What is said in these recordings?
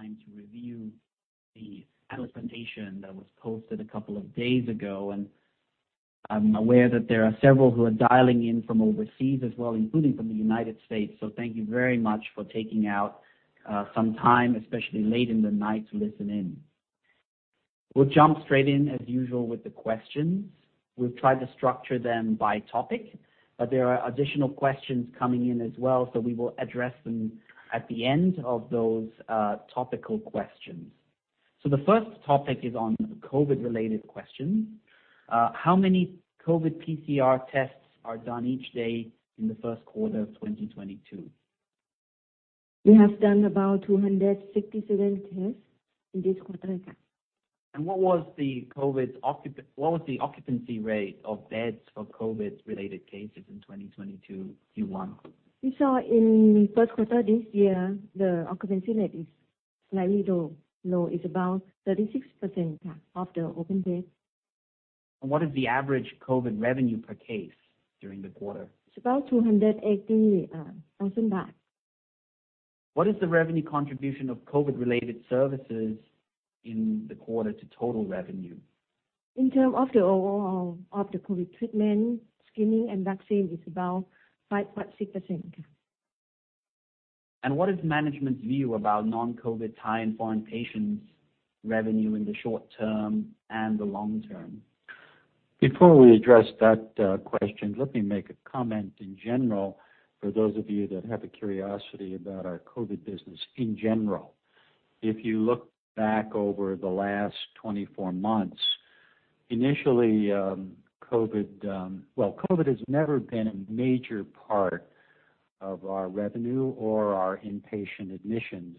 Everybody has had time to review the analyst presentation that was posted a couple of days ago, and I'm aware that there are several who are dialing in from overseas as well, including from the United States. Thank you very much for taking out some time, especially late in the night to listen in. We'll jump straight in as usual with the questions. We've tried to structure them by topic, but there are additional questions coming in as well, so we will address them at the end of those topical questions. The first topic is on COVID-related questions. How many COVID PCR tests are done each day in the first quarter of 2022? We have done about 267 tests in this quarter. What was the occupancy rate of beds for COVID-related cases in 2022 Q1? We saw in first quarter this year, the occupancy rate is slightly low. It's about 36% of the open beds. What is the average COVID revenue per case during the quarter? It's about 280,000 baht. What is the revenue contribution of COVID-related services in the quarter to total revenue? In terms of the overall of the COVID treatment, screening, and vaccine is about 5.6%. What is management's view about non-COVID Thai and foreign patients revenue in the short term and the long term? Before we address that question, let me make a comment in general for those of you that have a curiosity about our COVID business in general. If you look back over the last 24 months, COVID has never been a major part of our revenue or our inpatient admissions,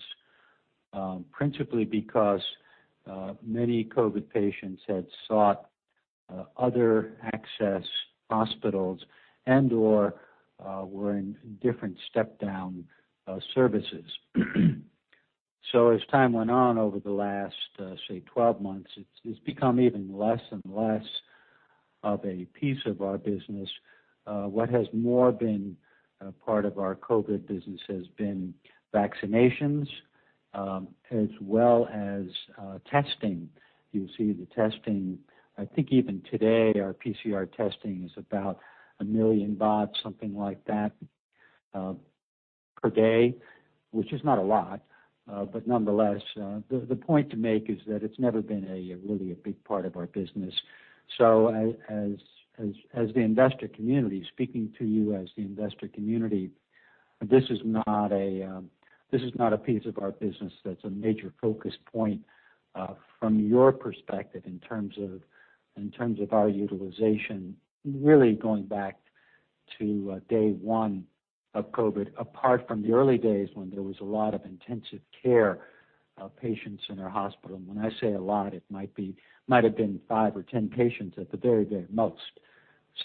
principally because many COVID patients had sought other access hospitals and/or were in different step-down services. As time went on over the last, say 12 months, it's become even less and less of a piece of our business. What has more been a part of our COVID business has been vaccinations, as well as testing. You'll see the testing, I think even today, our PCR testing is about 1 million, something like that, per day, which is not a lot. Nonetheless, the point to make is that it's never been a really big part of our business. As the investor community, speaking to you as the investor community, this is not a piece of our business that's a major focus point, from your perspective in terms of our utilization, really going back to day one of COVID, apart from the early days when there was a lot of intensive care patients in our hospital. When I say a lot, it might have been five or 10 patients at the very most.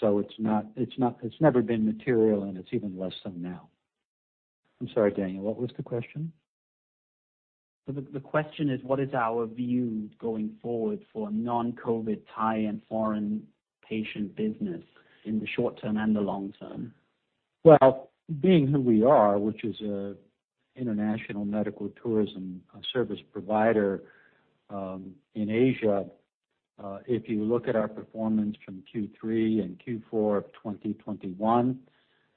It's not, it's never been material, and it's even less so now. I'm sorry, Daniel, what was the question? The question is, what is our view going forward for non-COVID Thai and foreign patient business in the short term and the long term? Well, being who we are, which is an international medical tourism service provider in Asia, if you look at our performance from Q3 and Q4 of 2021,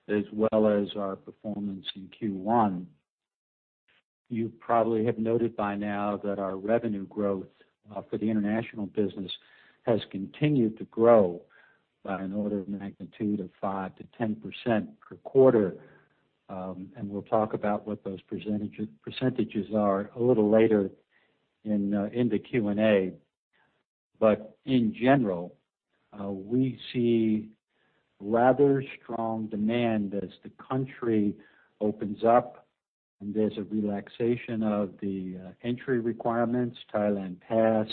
as well as our performance in Q1, you probably have noted by now that our revenue growth for the international business has continued to grow by an order of magnitude of 5%-10% per quarter. We'll talk about what those percentages are a little later in the Q&A. In general, we see rather strong demand as the country opens up and there's a relaxation of the entry requirements, Thailand Pass,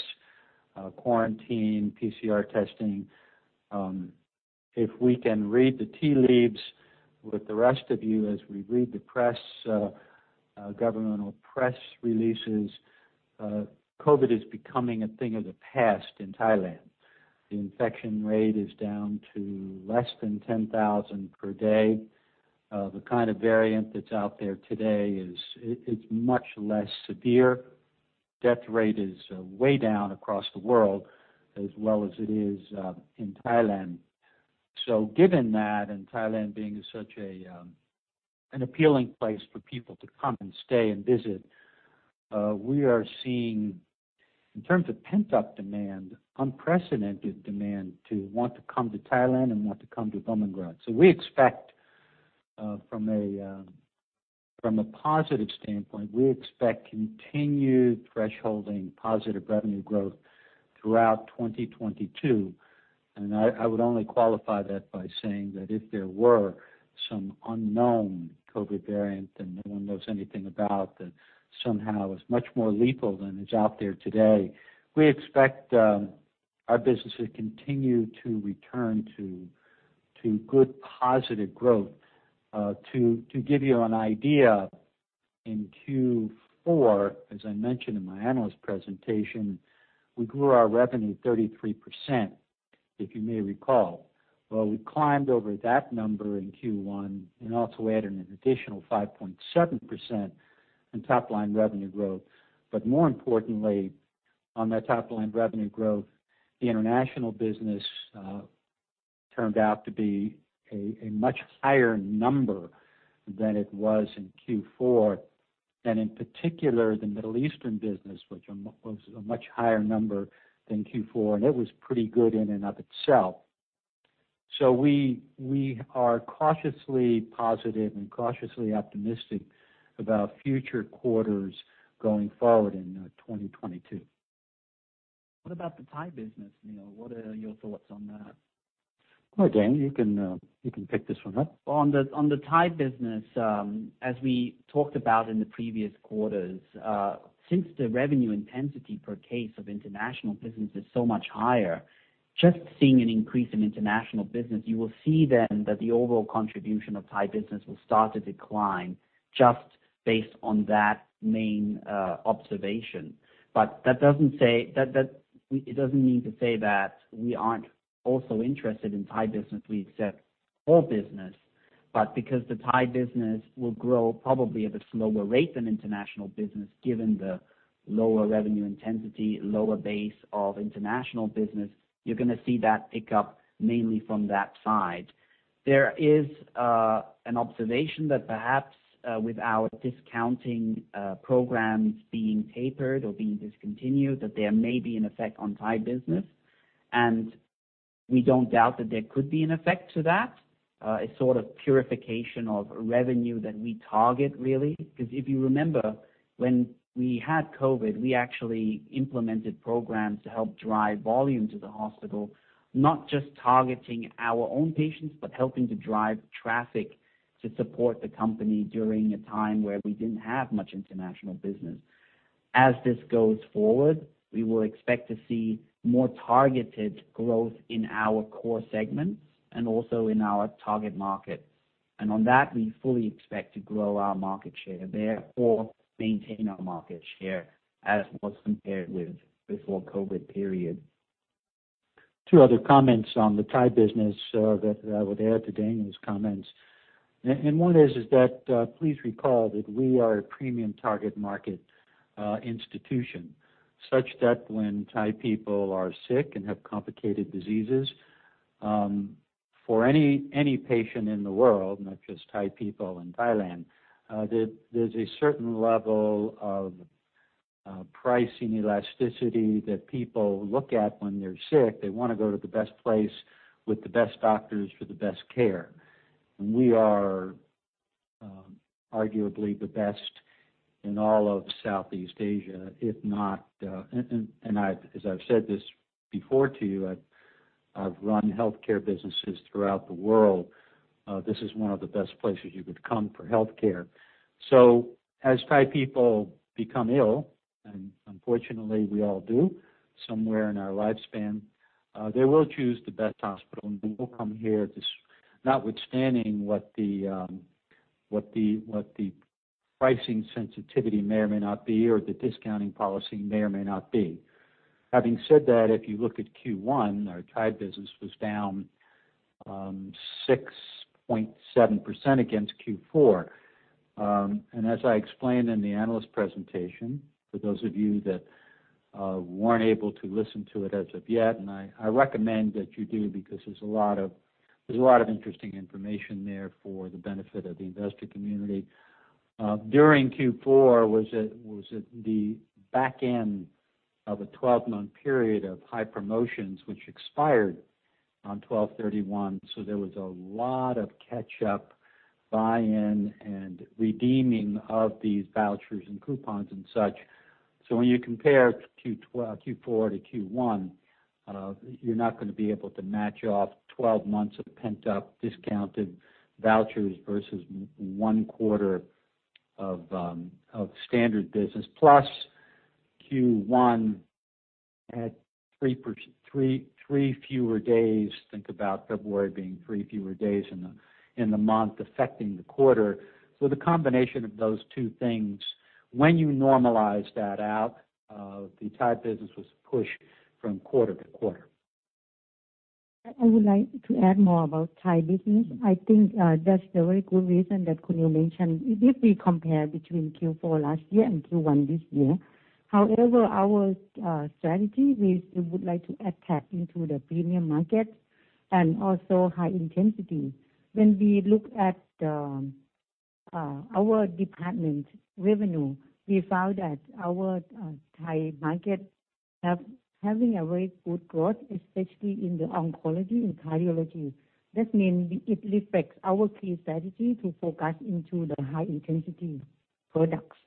quarantine, PCR testing. If we can read the tea leaves with the rest of you as we read the press, governmental press releases, COVID is becoming a thing of the past in Thailand. The infection rate is down to less than 10,000 per day. The kind of variant that's out there today is much less severe. Death rate is way down across the world as well as it is in Thailand. Given that, and Thailand being such an appealing place for people to come and stay and visit, we are seeing in terms of pent-up demand, unprecedented demand to want to come to Thailand and want to come to Bumrungrad. We expect, from a positive standpoint, continued thresholding positive revenue growth throughout 2022. I would only qualify that by saying that if there were some unknown COVID variant that no one knows anything about, that somehow is much more lethal than is out there today, we expect our business to continue to return to good positive growth. To give you an idea, in Q4, as I mentioned in my analyst presentation, we grew our revenue 33%. If you may recall, well, we climbed over that number in Q1 and also added an additional 5.7% in top line revenue growth. But more importantly, on that top line revenue growth, the international business turned out to be a much higher number than it was in Q4, and in particular, the Middle Eastern business, which was a much higher number than Q4, and it was pretty good in and of itself. We are cautiously positive and cautiously optimistic about future quarters going forward in 2022. What about the Thai business, Neil? What are your thoughts on that? Go ahead, Daniel, you can pick this one up. On the Thai business, as we talked about in the previous quarters, since the revenue intensity per case of international business is so much higher, just seeing an increase in international business, you will see then that the overall contribution of Thai business will start to decline just based on that main observation. That doesn't say that it doesn't mean to say that we aren't also interested in Thai business. We accept all business. Because the Thai business will grow probably at a slower rate than international business, given the lower revenue intensity, lower base of international business, you're gonna see that pick up mainly from that side. There is an observation that perhaps with our discounting programs being tapered or being discontinued, that there may be an effect on Thai business, and we don't doubt that there could be an effect to that, a sort of purification of revenue that we target really. Because if you remember when we had COVID, we actually implemented programs to help drive volume to the hospital, not just targeting our own patients, but helping to drive traffic to support the company during a time where we didn't have much international business. As this goes forward, we will expect to see more targeted growth in our core segments and also in our target markets. On that, we fully expect to grow our market share, therefore maintain our market share as was compared with before COVID period. Two other comments on the Thai business that would add to Daniel's comments. One is that please recall that we are a premium target market institution, such that when Thai people are sick and have complicated diseases, for any patient in the world, not just Thai people in Thailand, there's a certain level of pricing elasticity that people look at when they're sick. They wanna go to the best place with the best doctors for the best care. We are arguably the best in all of Southeast Asia, if not. As I've said this before to you, I've run healthcare businesses throughout the world. This is one of the best places you could come for healthcare. As Thai people become ill, and unfortunately we all do somewhere in our lifespan, they will choose the best hospital, and they will come here just notwithstanding what the pricing sensitivity may or may not be or the discounting policy may or may not be. Having said that, if you look at Q1, our Thai business was down 6.7% against Q4. As I explained in the analyst presentation, for those of you that weren't able to listen to it as of yet, I recommend that you do because there's a lot of interesting information there for the benefit of the investor community. During Q4, it was the back end of a 12-month period of high promotions which expired on 12/31. There was a lot of catch up, buy-in, and redeeming of these vouchers and coupons and such. When you compare Q4 to Q1, you're not gonna be able to match off 12 months of pent-up discounted vouchers versus one quarter of standard business. Plus Q1 had three fewer days. Think about February being three fewer days in the month affecting the quarter. The combination of those two things, when you normalize that out, the Thai business was pushed from quarter to quarter. I would like to add more about Thai business. I think that's a very good reason that Kunling mentioned, if we compare between Q4 last year and Q1 this year. However, our strategy is we would like to attack into the premium market and also high intensity. When we look at our department revenue, we found that our Thai market having a very good growth, especially in the oncology and cardiology. That means it reflects our key strategy to focus into the high-intensity products.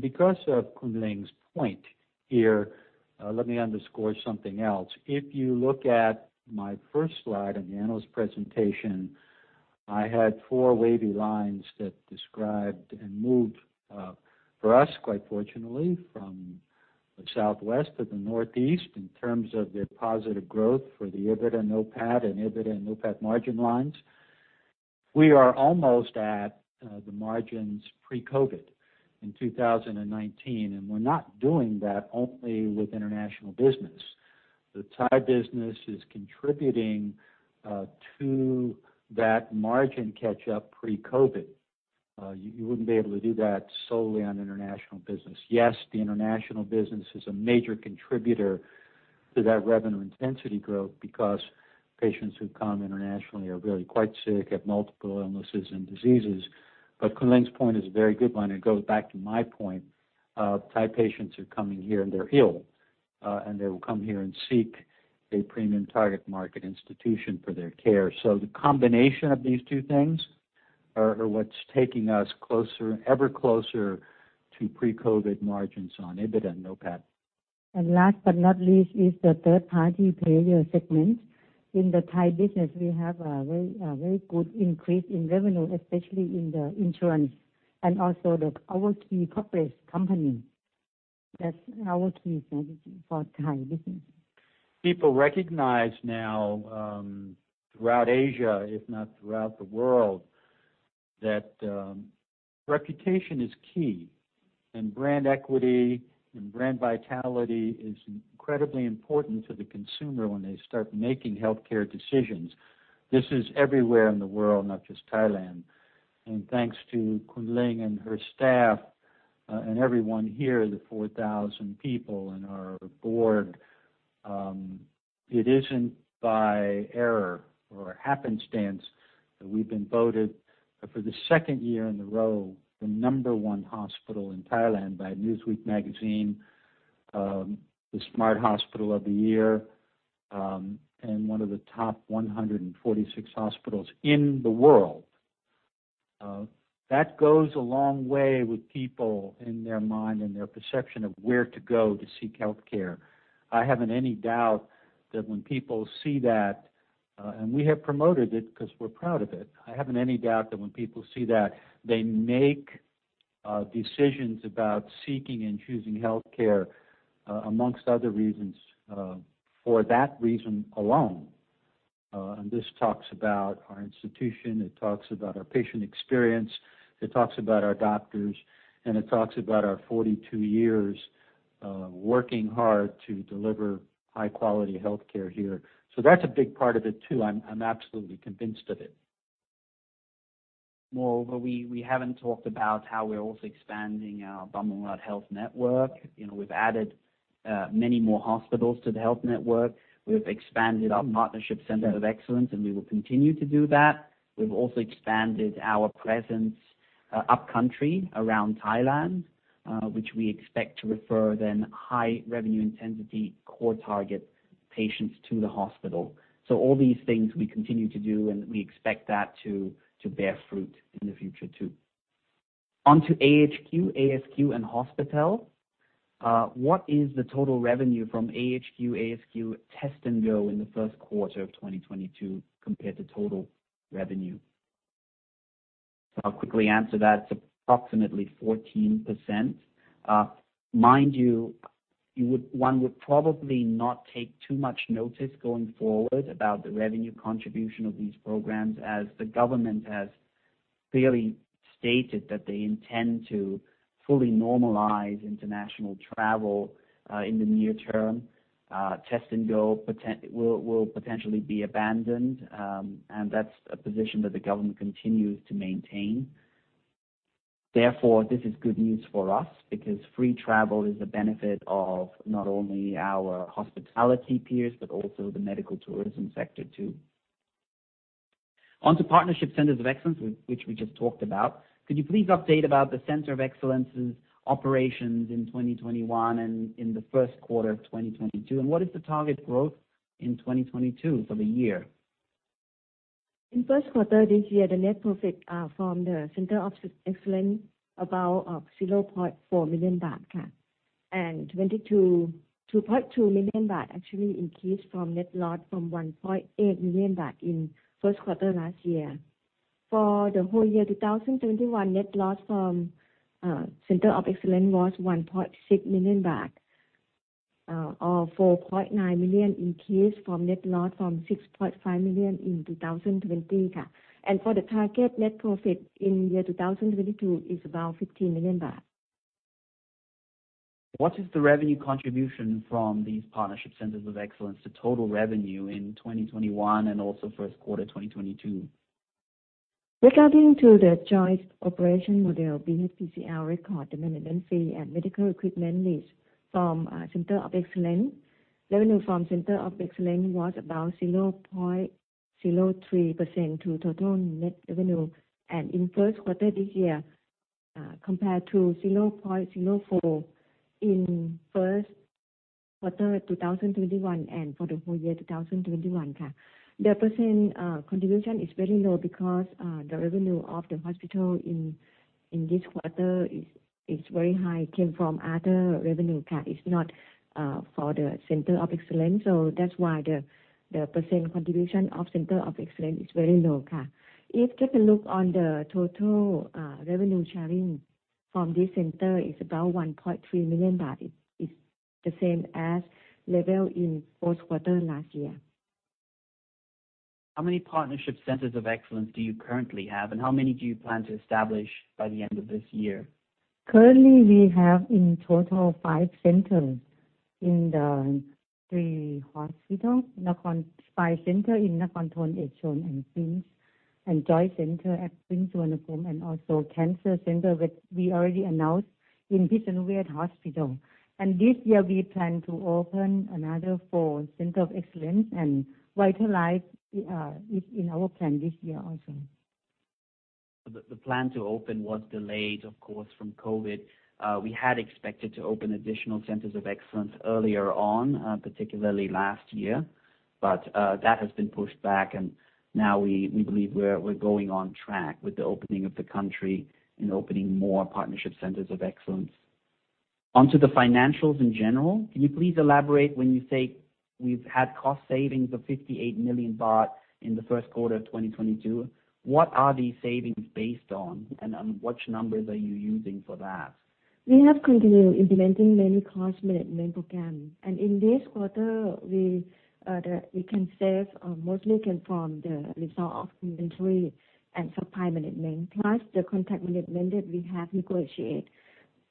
Because of Kunling's point here, let me underscore something else. If you look at my first slide in the analyst presentation, I had four wavy lines that described and moved, for us, quite fortunately, from the southwest to the northeast in terms of their positive growth for the EBITDA and OPAT margin lines. We are almost at the margins pre-COVID in 2019, and we're not doing that only with international business. The Thai business is contributing to that margin catch-up pre-COVID. You wouldn't be able to do that solely on international business. Yes, the international business is a major contributor to that revenue intensity growth because patients who come internationally are really quite sick, have multiple illnesses and diseases. Kunling's point is a very good one, and it goes back to my point of Thai patients who are coming here, and they're ill. They will come here and seek a premium target market institution for their care. The combination of these two things are what's taking us closer, ever closer to pre-COVID margins on EBITDA and OPAT. Last but not least is the third-party payer segment. In the Thai business, we have a very good increase in revenue, especially in the insurance and also our key corporate company. That's our key message for Thai business. People recognize now throughout Asia, if not throughout the world, that reputation is key, and brand equity and brand vitality is incredibly important to the consumer when they start making healthcare decisions. This is everywhere in the world, not just Thailand. Thanks to Kunling and her staff, and everyone here, the 4,000 people and our board, it isn't by error or happenstance that we've been voted for the second year in a row, the number one hospital in Thailand by Newsweek magazine, the smart hospital of the year, and one of the top 146 hospitals in the world. That goes a long way with people in their mind and their perception of where to go to seek healthcare. I haven't any doubt that when people see that, and we have promoted it 'cause we're proud of it. I haven't any doubt that when people see that, they make decisions about seeking and choosing healthcare, among other reasons, for that reason alone. This talks about our institution, it talks about our patient experience, it talks about our doctors, and it talks about our 42 years, working hard to deliver high-quality healthcare here. That's a big part of it too. I'm absolutely convinced of it. Moreover, we haven't talked about how we're also expanding our Bumrungrad Health Network. You know, we've added many more hospitals to the health network. We've expanded our partnership Center of Excellence, and we will continue to do that. We've also expanded our presence up country around Thailand, which we expect to refer then high revenue intensity core target patients to the hospital. All these things we continue to do, and we expect that to bear fruit in the future too. Onto AHQ, ASQ, and Hospitel. What is the total revenue from AHQ, ASQ Test and Go in the first quarter of 2022 compared to total revenue? I'll quickly answer that. It's approximately 14%. Mind you, one would probably not take too much notice going forward about the revenue contribution of these programs, as the government has clearly stated that they intend to fully normalize international travel in the near term. Test and Go will potentially be abandoned, and that's a position that the government continues to maintain. Therefore, this is good news for us because free travel is a benefit of not only our hospitality peers but also the medical tourism sector too. Onto partnership Centers of Excellence, which we just talked about. Could you please update about the Center of Excellence's operations in 2021 and in the first quarter of 2022? And what is the target growth in 2022 for the year? In first quarter this year, the net profit from the Center of Excellence about 0.4 million baht. 2.2 million baht actually increased from net loss from 1.8 million baht in first quarter last year. For the whole year, 2021 net loss from Center of Excellence was 1.6 million baht, or 4.9 million increase from net loss from 6.5 million in 2020. For the target net profit in year 2022 is about 15 million baht. What is the revenue contribution from these partnership Centers of Excellence to total revenue in 2021 and also first quarter 2022? Regarding the joint operation model, BIHP record the management fee and medical equipment lease from Center of Excellence. Revenue from Center of Excellence was about 0.03% of total net revenue, and in first quarter this year, compared to 0.04% in first quarter 2021 and for the whole year, 2021. The percent contribution is very low because the revenue of the hospital in this quarter is very high, came from other revenue. It's not for the Center of Excellence. That's why the percent contribution of Center of Excellence is very low. If take a look at the total, revenue sharing from this center is about 1.3 million baht. It's the same as level in fourth quarter last year. How many partnership Centers of Excellence do you currently have, and how many do you plan to establish by the end of this year? Currently, we have in total five centers in the three hospitals. Five centers in Nakornthon, Ekachai, and Princ, and Joint Center at Princ Hospital Suvarnabhumi, and also Cancer Center that we already announced in Pitsanuvej Hospital. This year we plan to open another four centers of excellence and VitalLife in our plan this year also. The plan to open was delayed, of course, from COVID. We had expected to open additional Centers of Excellence earlier on, particularly last year, but that has been pushed back and now we believe we're going on track with the opening of the country and opening more partnership Centers of Excellence. Onto the financials in general, can you please elaborate when you say we've had cost savings of 58 million baht in the first quarter of 2022? What are these savings based on, and on which numbers are you using for that? We have continued implementing many cost management programs. In this quarter, we can save mostly from the resolved inventory and supply management, plus the contract management that we have negotiated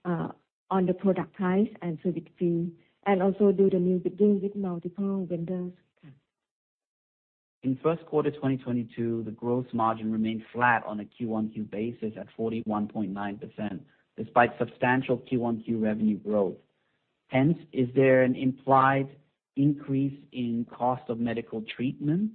on the product price and service fee, and also did the new deals with multiple vendors. In first quarter 2022, the gross margin remained flat on a quarter-over-quarter basis at 41.9%, despite substantial quarter-over-quarter revenue growth. Hence, is there an implied increase in cost of medical treatment,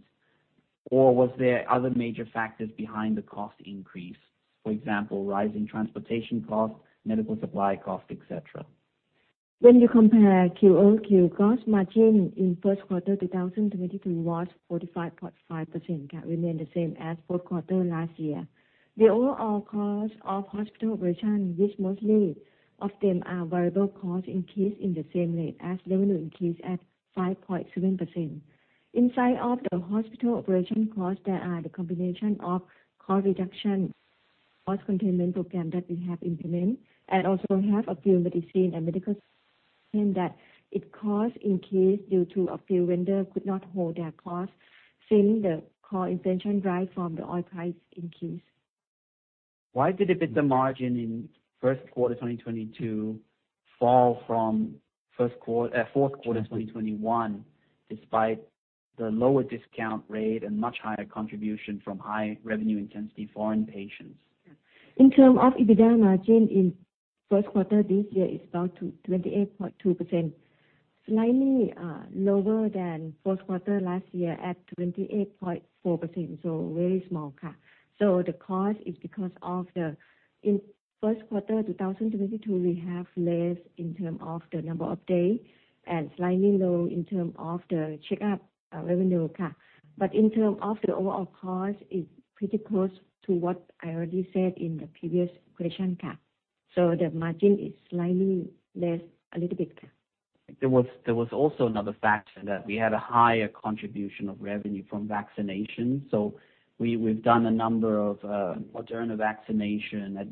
or was there other major factors behind the cost increase? For example, rising transportation costs, medical supply costs, et cetera. When you compare QoQ cost margin in first quarter 2022 was 45.5%, remain the same as fourth quarter last year. The overall cost of hospital operation, which mostly of them are variable costs, increased in the same rate as revenue increased at 5.7%. Inside of the hospital operation cost, there are the combination of cost reduction, cost containment program that we have implemented, and also have a few medicine and medical team that its cost increased due to a few vendor could not hold their cost, seeing the cost inflation rise from the oil price increase. Why did EBITDA margin in first quarter 2022 fall from fourth quarter 2021, despite the lower discount rate and much higher contribution from high revenue intensity foreign patients? In terms of EBITDA margin in the first quarter this year, it is about 28.2%, slightly lower than the fourth quarter last year at 28.4%, so very small ka. In the first quarter 2022, we have less in terms of the number of days and slightly low in terms of the checkup revenue ka. But in terms of the overall cost, it's pretty close to what I already said in the previous question Ka. The margin is slightly less a little bit ka. There was also another factor that we had a higher contribution of revenue from vaccinations. We've done a number of Moderna vaccinations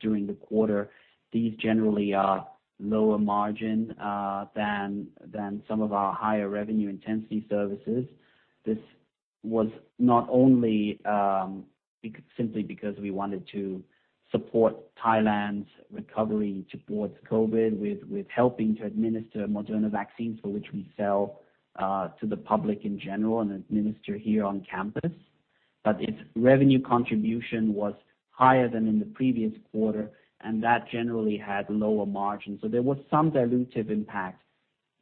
during the quarter. These generally are lower margin than some of our higher revenue intensity services. This was not only simply because we wanted to support Thailand's recovery towards COVID with helping to administer Moderna vaccines for which we sell to the public in general and administer here on campus. Its revenue contribution was higher than in the previous quarter, and that generally had lower margins. There was some dilutive impact.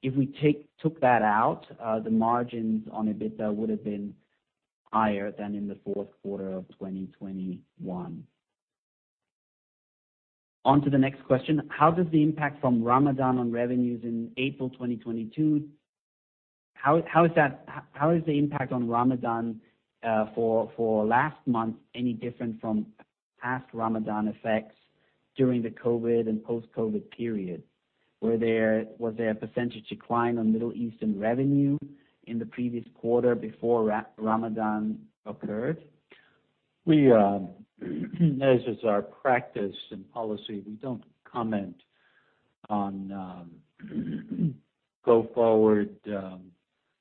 If we took that out, the margins on EBITDA would have been higher than in the fourth quarter of 2021. On to the next question. How does the impact from Ramadan on revenues in April 2022? How is the impact on Ramadan for last month any different from past Ramadan effects during the COVID and post-COVID period? Was there a percentage decline on Middle Eastern revenue in the previous quarter before Ramadan occurred? As is our practice and policy, we don't comment on going forward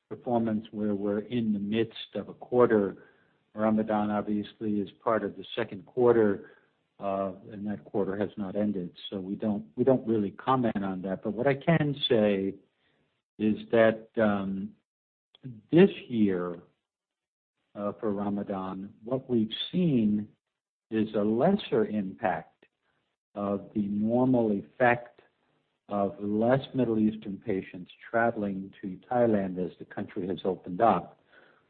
performance where we're in the midst of a quarter. Ramadan obviously is part of the second quarter, and that quarter has not ended. We don't really comment on that. What I can say is that, this year, for Ramadan, what we've seen is a lesser impact of the normal effect of less Middle Eastern patients traveling to Thailand as the country has opened up.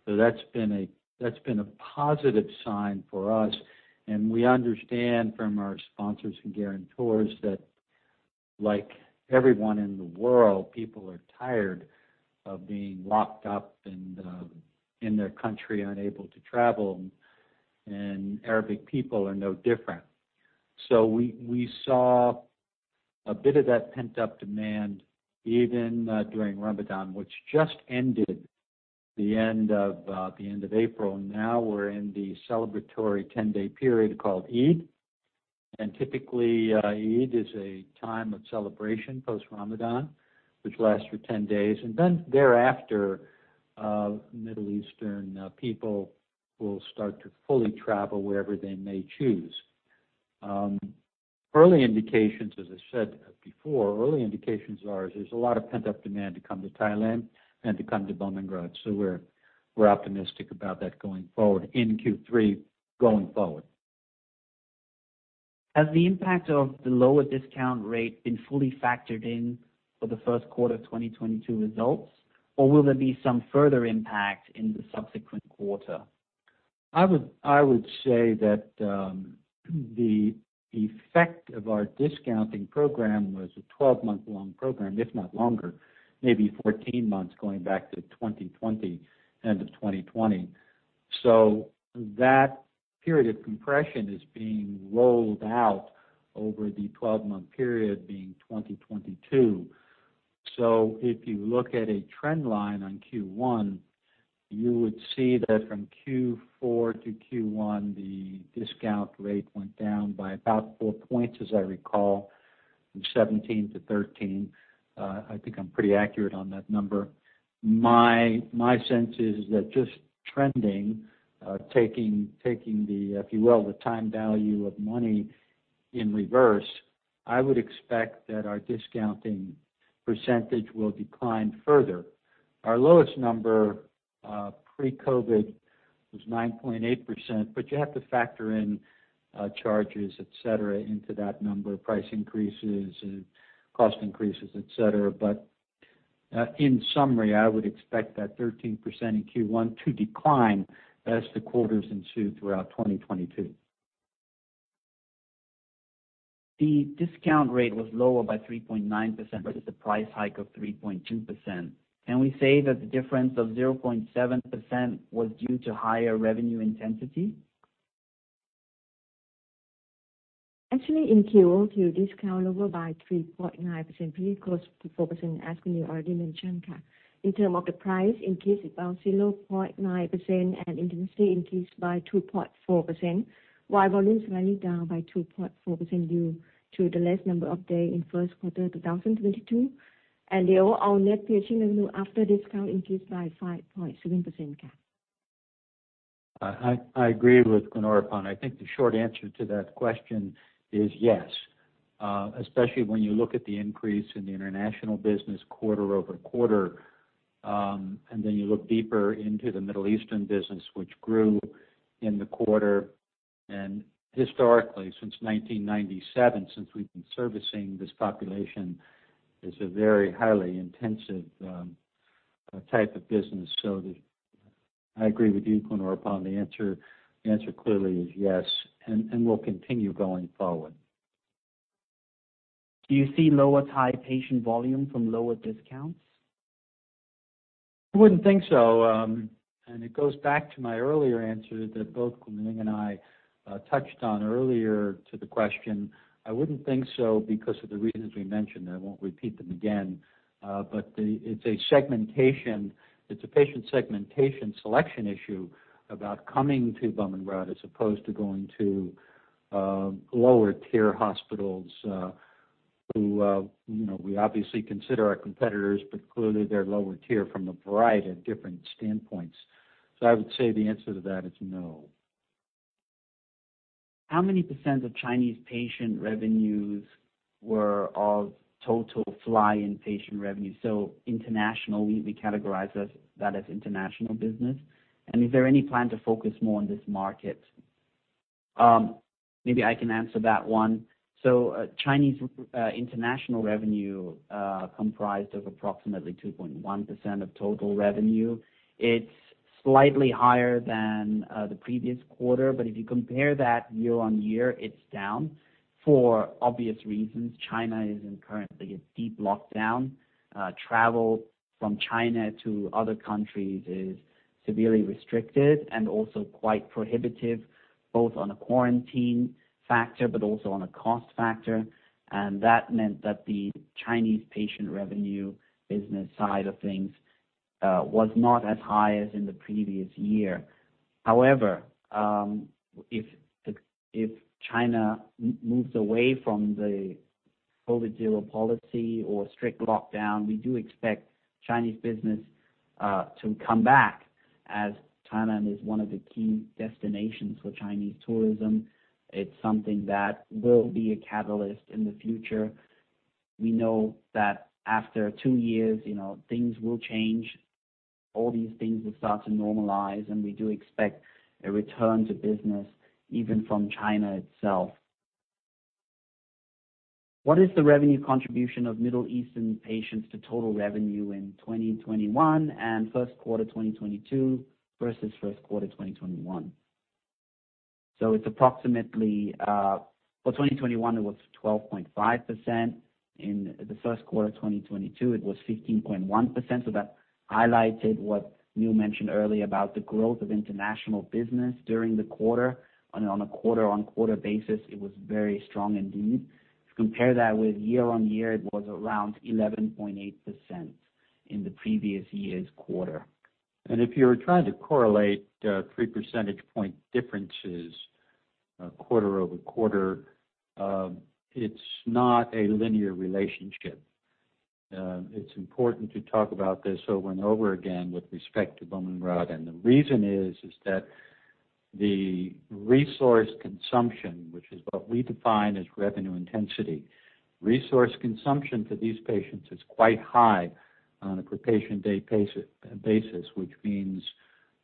That's been a positive sign for us, and we understand from our sponsors and guarantors that, like everyone in the world, people are tired of being locked up and, in their country unable to travel, and Arabic people are no different. We saw a bit of that pent-up demand even during Ramadan, which just ended. The end of April. Now we're in the celebratory ten-day period called Eid. Typically, Eid is a time of celebration post Ramadan, which lasts for 10 days. Then thereafter, Middle Eastern people will start to fully travel wherever they may choose. Early indications, as I said before, are there's a lot of pent-up demand to come to Thailand and to come to Bumrungrad. We're optimistic about that going forward in Q3, going forward. Has the impact of the lower discount rate been fully factored in for the first quarter of 2022 results, or will there be some further impact in the subsequent quarter? I would say that the effect of our discounting program was a 12-month-long program, if not longer, maybe 14 months, going back to 2020, end of 2020. That period of compression is being rolled out over the 12-month period being 2022. If you look at a trend line on Q1, you would see that from Q4 to Q1, the discount rate went down by about 4 points, as I recall, from 17 to 13. I think I'm pretty accurate on that number. My sense is that just trending, taking, if you will, the time value of money in reverse, I would expect that our discounting percentage will decline further. Our lowest number pre-COVID was 9.8%. But you have to factor in charges, et cetera, into that number, price increases, cost increases, et cetera. In summary, I would expect that 13% in Q1 to decline as the quarters ensue throughout 2022. The discount rate was lower by 3.9% versus the price hike of 3.2%. Can we say that the difference of 0.7% was due to higher revenue intensity? Actually, in Q2, discount lower by 3.9%, pretty close to 4%, as you already mentioned. In terms of the price increase, about 0.9%, and intensity increased by 2.4%, while volume is slightly down by 2.4% due to the less number of days in first quarter 2022. Daniel, our net patient revenue after discount increased by 5.7% cap. I agree with Khun. I think the short answer to that question is yes. Especially when you look at the increase in the international business quarter-over-quarter, and then you look deeper into the Middle Eastern business which grew in the quarter. Historically, since 1997, since we've been servicing this population, is a very highly intensive type of business. I agree with you, Khun. The answer clearly is yes, and will continue going forward. Do you see lower Thai patient volume from lower discounts? I wouldn't think so. It goes back to my earlier answer that both Kunling and I touched on earlier to the question. I wouldn't think so because of the reasons we mentioned. I won't repeat them again. It's a segmentation. It's a patient segmentation selection issue about coming to Bumrungrad as opposed to going to lower tier hospitals who you know we obviously consider our competitors, but clearly they're lower tier from a variety of different standpoints. I would say the answer to that is no. How many percent of Chinese patient revenues were of total fly-in patient revenue? International, we categorize that as international business. Is there any plan to focus more on this market? Maybe I can answer that one. Chinese international revenue comprised approximately 2.1% of total revenue. It's slightly higher than the previous quarter. If you compare that year-on-year, it's down for obvious reasons. China is currently in a deep lockdown. Travel from China to other countries is severely restricted and also quite prohibitive, both on a quarantine factor but also on a cost factor. That meant that the Chinese patient revenue business side of things was not as high as in the previous year. However, if China moves away from the COVID zero policy or strict lockdown, we do expect Chinese business to come back as Thailand is one of the key destinations for Chinese tourism. It's something that will be a catalyst in the future. We know that after two years, you know, things will change. All these things will start to normalize, and we do expect a return to business, even from China itself. What is the revenue contribution of Middle Eastern patients to total revenue in 2021 and first quarter 2022 versus first quarter 2021? It's approximately, for 2021, it was 12.5%. In the first quarter of 2022, it was 15.1%. That highlighted what Neil mentioned earlier about the growth of international business during the quarter. On a quarter-on-quarter basis, it was very strong indeed. If you compare that with year-on-year, it was around 11.8% in the previous year's quarter. If you're trying to correlate the 3 percentage point differences quarter-over-quarter, it's not a linear relationship. It's important to talk about this over and over again with respect to Bumrungrad. The reason is that the resource consumption, which is what we define as revenue intensity. Resource consumption for these patients is quite high on a per-patient day basis, which means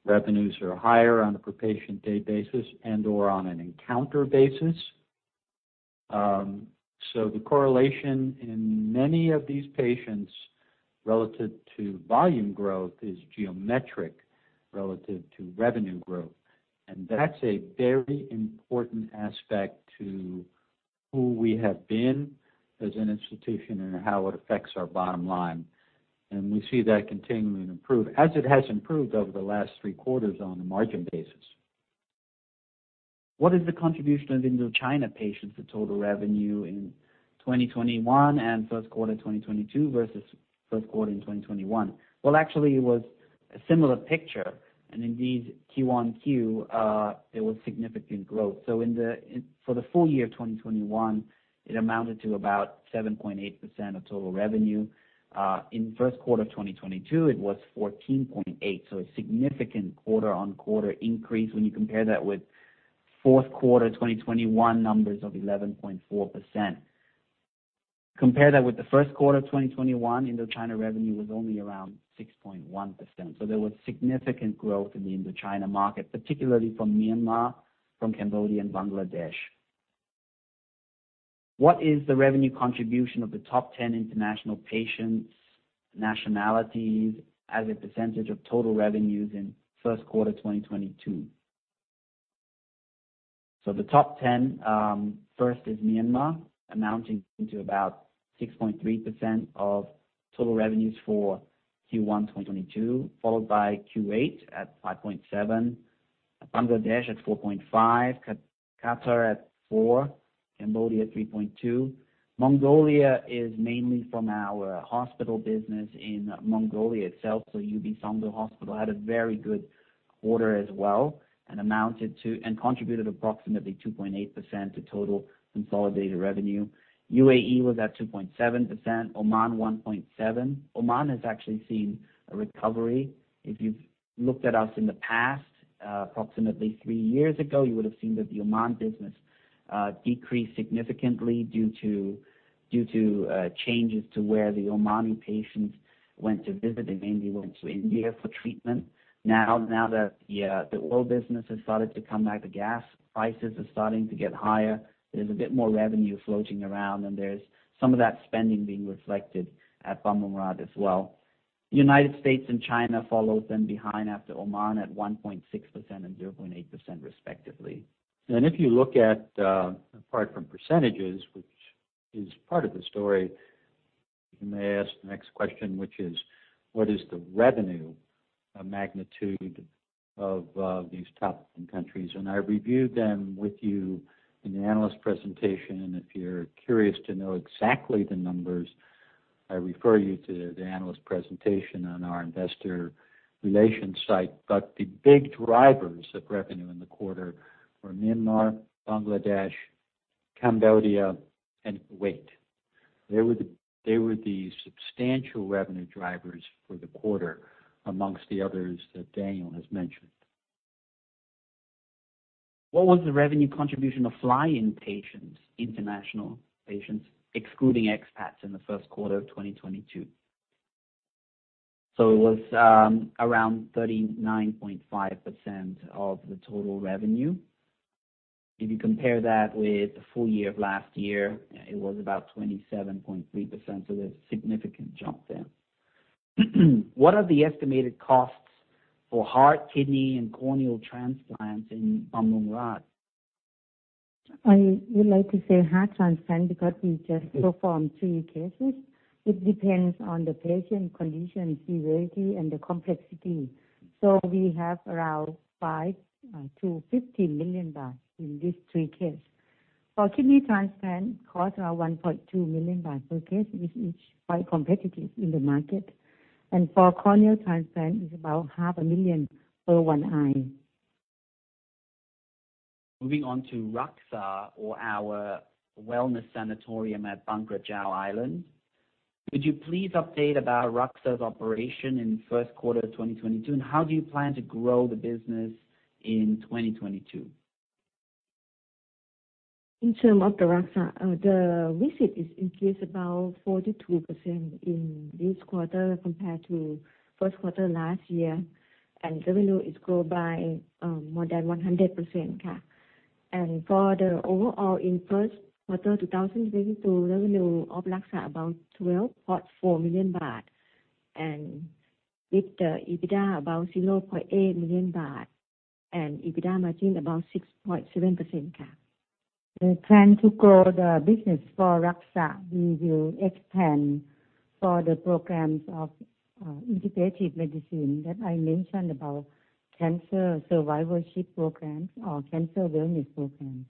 revenues are higher on a per-patient day basis and/or on an encounter basis. The correlation in many of these patients relative to volume growth is geometric relative to revenue growth. That's a very important aspect to who we have been as an institution and how it affects our bottom line. We see that continuing to improve as it has improved over the last three quarters on a margin basis. What is the contribution of Indochina patients to total revenue in 2021 and first quarter 2022 versus first quarter in 2021? Well, actually it was a similar picture and indeed Q-on-Q, it was significant growth. For the full year of 2021, it amounted to about 7.8% of total revenue. In first quarter of 2022, it was 14.8%, so a significant quarter-on-quarter increase when you compare that with fourth quarter 2021 numbers of 11.4%. Compare that with the first quarter of 2021, Indochina revenue was only around 6.1%. There was significant growth in the Indochina market, particularly from Myanmar, from Cambodia, and Bangladesh. What is the revenue contribution of the top ten international patients' nationalities as a percentage of total revenues in first quarter 2022? The top ten first is Myanmar, amounting to about 6.3% of total revenues for Q1 2022, followed by Kuwait at 5.7%, Bangladesh at 4.5%, Qatar at 4%, Cambodia at 3.2%. Mongolia is mainly from our hospital business in Mongolia itself, so UB Songdo Hospital had a very good quarter as well and amounted to and contributed approximately 2.8% to total consolidated revenue. UAE was at 2.7%, Oman 1.7%. Oman has actually seen a recovery. If you've looked at us in the past, approximately three years ago, you would have seen that the Oman business decreased significantly due to changes to where the Omani patients went to visit. They mainly went to India for treatment. Now that the oil business has started to come back, the gas prices are starting to get higher, there's a bit more revenue floating around, and there's some of that spending being reflected at Bumrungrad as well. United States and China follow then behind after Oman at 1.6% and 0.8% respectively. If you look at, apart from percentages, which is part of the story, you may ask the next question, which is, what is the revenue magnitude of these top ten countries? I reviewed them with you in the analyst presentation, and if you're curious to know exactly the numbers, I refer you to the analyst presentation on our investor relations site. The big drivers of revenue in the quarter were Myanmar, Bangladesh, Cambodia, and Kuwait. They were the substantial revenue drivers for the quarter among the others that Daniel has mentioned. What was the revenue contribution of fly-in patients, international patients, excluding expats in the first quarter of 2022? It was around 39.5% of the total revenue. If you compare that with the full year of last year, it was about 27.3%, so there's significant jump there. What are the estimated costs for heart, kidney, and corneal transplants in Bumrungrad? I would like to say heart transplant because we just performed three cases. It depends on the patient condition severity and the complexity. We have around 5 million-50 million baht in these three cases. For kidney transplant, costs are 1.2 million baht per case, which is quite competitive in the market. For corneal transplant, it's about THB half a million per one eye. Moving on to RAKxa or our wellness sanatorium at Bang Krachao Island. Would you please update about RAKxa's operation in first quarter 2022, and how do you plan to grow the business in 2022? In terms of the RAKxa, visits increased about 42% in this quarter compared to first quarter last year, and revenue grew by more than 100%. For the overall in first quarter 2022, revenue of RAKxa about 12.4 million baht, with the EBITDA about 0.8 million baht and EBITDA margin about 6.7%. The plan to grow the business for RAKxa, we will expand for the programs of integrative medicine that I mentioned about cancer survivorship programs or cancer wellness programs.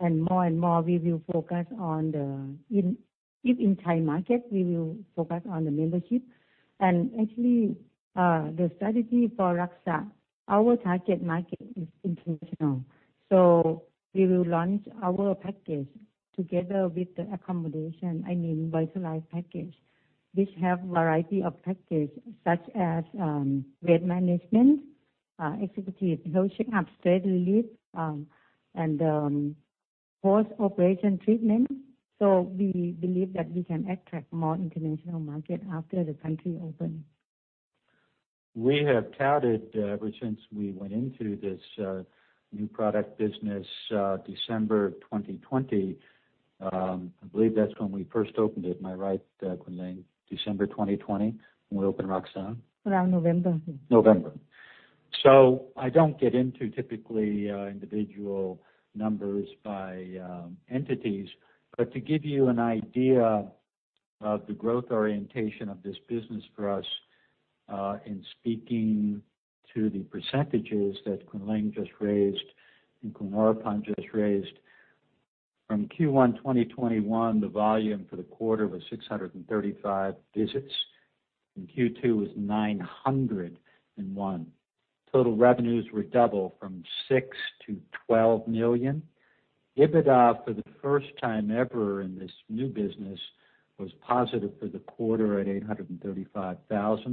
More and more we will focus on, if in Thai market, we will focus on the membership. Actually, the strategy for RAKxa, our target market is international. We will launch our package together with the accommodation, I mean, VitalLife package, which have a variety of package such as weight management, executive health checkup, stress relief, and post-operation treatment. We believe that we can attract more international market after the country open. We have touted ever since we went into this new product business, December 2020. I believe that's when we first opened it. Am I right, Khun, December 2020 when we opened RAKxa? Around November. November. I don't get into typically individual numbers by entities. To give you an idea of the growth orientation of this business for us, in speaking to the percentages that Kunling just raised and Khun just raised. From Q1 2021, the volume for the quarter was 635 visits, and Q2 was 901. Total revenues doubled from 6 million-12 million. EBITDA for the first time ever in this new business was positive for the quarter at 835,00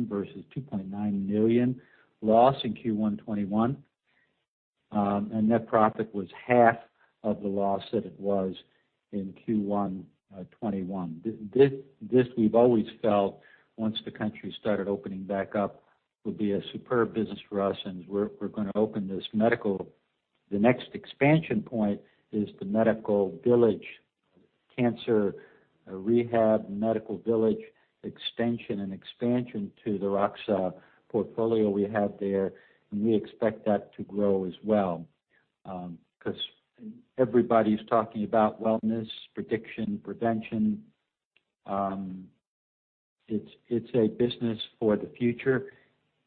Versus 2.9 million loss in Q1 2021. Net profit was half of the loss that it was in Q1 2021. This, we've always felt once the country started opening back up, would be a superb business for us, and we're gonna open this medical. The next expansion point is the medical village cancer, rehab, medical village extension and expansion to the RAKxa portfolio we have there. We expect that to grow as well. 'Cause everybody's talking about wellness, precision, prevention. It's a business for the future,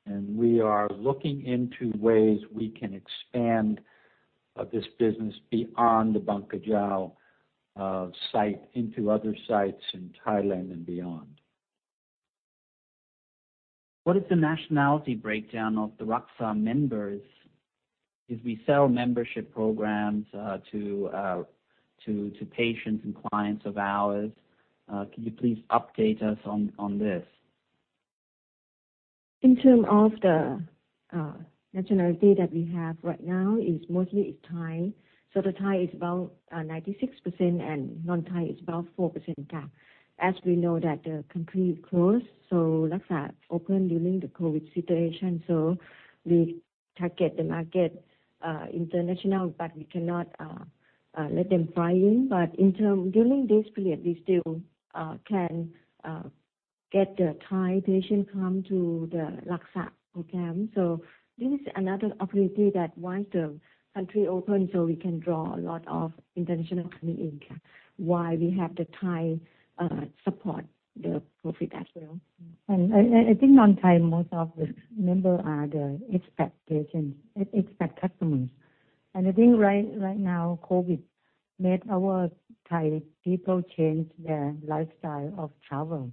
and we are looking into ways we can expand this business beyond the Bang Krachao site into other sites in Thailand and beyond. What is the nationality breakdown of the RAKxa members if we sell membership programs to patients and clients of ours? Can you please update us on this? In terms of the nationality that we have right now is mostly Thai. The Thai is about 96% and non-Thai is about 4%. As we know that the country closed, RAKxa opened during the COVID situation. We target the market international, but we cannot let them fly in. But during this period, we still can get the Thai patient come to the RAKxa program. This is another opportunity that once the country open, we can draw a lot of international coming in, while we have the Thai support the profit as well. I think non-Thai, most of the member are the expat patients, expat customers. I think right now, COVID made our Thai people change their lifestyle of travel.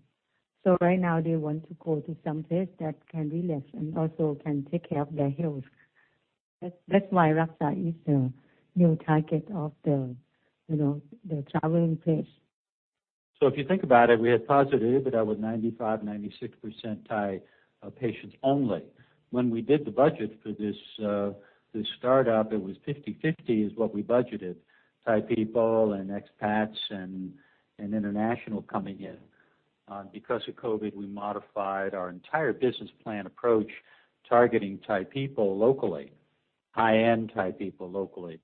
Right now they want to go to some place that can relax and also can take care of their health. That's why RAKxa is the new target of the, you know, the traveling place. If you think about it, we had positive EBITDA with 95%-96% Thai patients only. When we did the budget for this startup, it was 50/50, is what we budgeted, Thai people and expats and international coming in. Because of COVID, we modified our entire business plan approach, targeting Thai people locally, high-end Thai people locally.